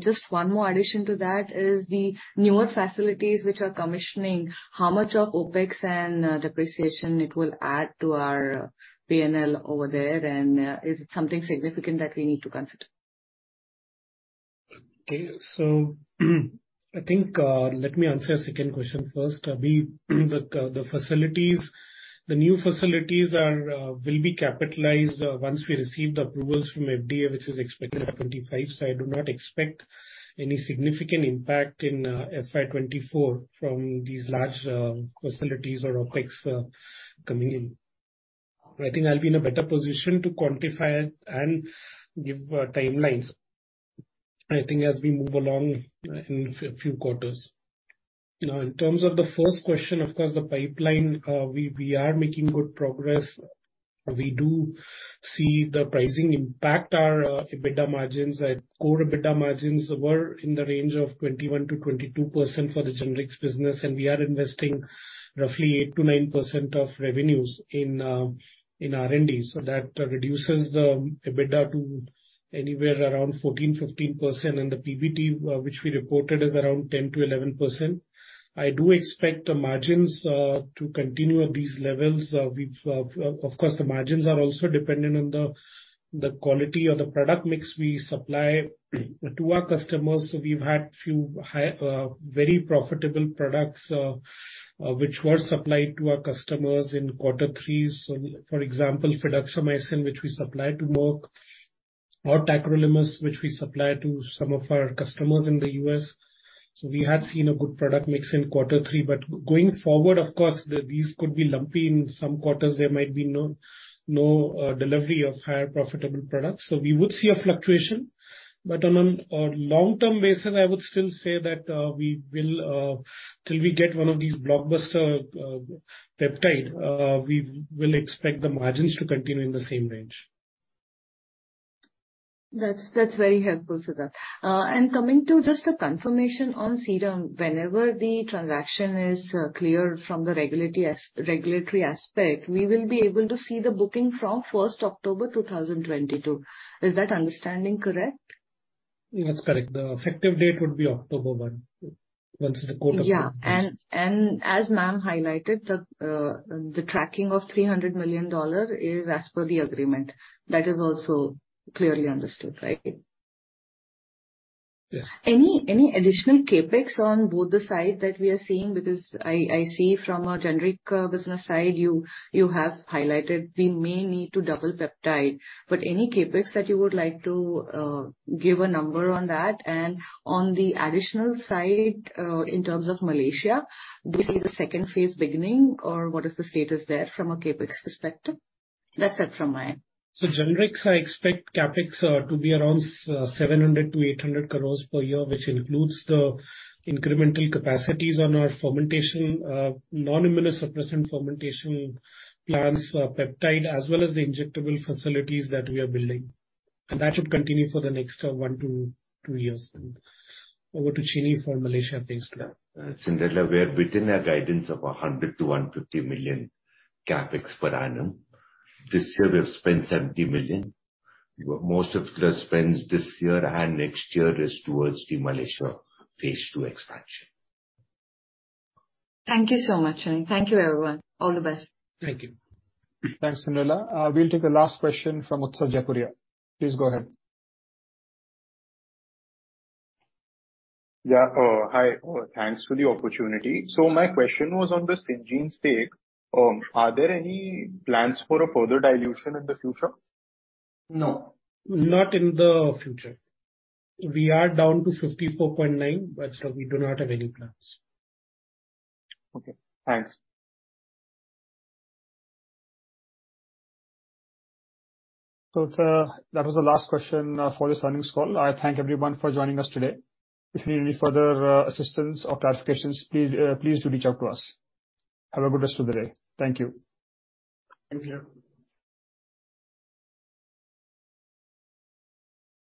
Just one more addition to that is the newer facilities which are commissioning how much of OPEX and depreciation it will add to our P&L over there and is it something significant that we need to consider? I think let me answer second question first. We the facilities, the new facilities will be capitalized once we receive the approvals from FDA, which is expected at 2025. I do not expect any significant impact in FY24 from these large facilities or OPEX coming in. I think I'll be in a better position to quantify and give timelines. I think as we move along in few quarters. You know, in terms of the first question, of course, the pipeline, we are making good progress. We do see the pricing impact our EBITDA margins. Our Core EBITDA margins were in the range of 21%-22% for the generics business, and we are investing roughly 8%-9% of revenues in R&D. That reduces the EBITDA to anywhere around 14%-15%. The PBT, which we reported is around 10%-11%. I do expect the margins to continue at these levels. We've of course, the margins are also dependent on the quality of the product mix we supply to our customers. We've had few high, very profitable products which were supplied to our customers in quarter three. For example, fidaxomicin which we supply to Merck or tacrolimus, which we supply to some of our customers in the U.S. We had seen a good product mix in quarter three. Going forward, of course, these could be lumpy in some quarters. There might be no delivery of higher profitable products. We would see a fluctuation. On a long term basis, I would still say that we will, till we get one of these blockbuster peptide, we will expect the margins to continue in the same range. That's very helpful, Siddharth. Coming to just a confirmation on Serum, whenever the transaction is cleared from the regulatory aspect, we will be able to see the booking from first October 2022. Is that understanding correct? That's correct. The effective date would be October 1, once the quarter- Yeah. As ma'am highlighted, the tracking of $300 million is as per the agreement. That is also clearly understood, right? Yes. Any additional CapEx on both the side that we are seeing? I see from a generic business side, you have highlighted the main need to double peptide. Any CapEx that you would like to give a number on that. On the additional side, in terms of Malaysia, do you see the second phase beginning, or what is the status there from a CapEx perspective? That's it from my end. Generics, I expect CapEx to be around 700-800 crores per year, which includes the incremental capacities on our fermentation, non-immunosuppressant fermentation plants for peptide, as well as the injectable facilities that we are building. That should continue for the next one to two years. Over to Chinni for Malaysia phase 2. Cyndrella, we are within our guidance of $100 million-$150 million CapEx per annum. This year we have spent $70 million. Most of the spends this year and next year is towards the Malaysia phase 2 expansion. Thank you so much. Thank you, everyone. All the best. Thank you. Thanks, Cyndrella. We'll take the last question from Utsav Jakharia. Please go ahead. Hi. Thanks for the opportunity. My question was on the Syngene stake. Are there any plans for a further dilution in the future? No. Not in the future. We are down to 54.9, but we do not have any plans. Okay, thanks. That was the last question for this earnings call. I thank everyone for joining us today. If you need any further assistance or clarifications, please do reach out to us. Have a good rest of the day. Thank you. Thank you.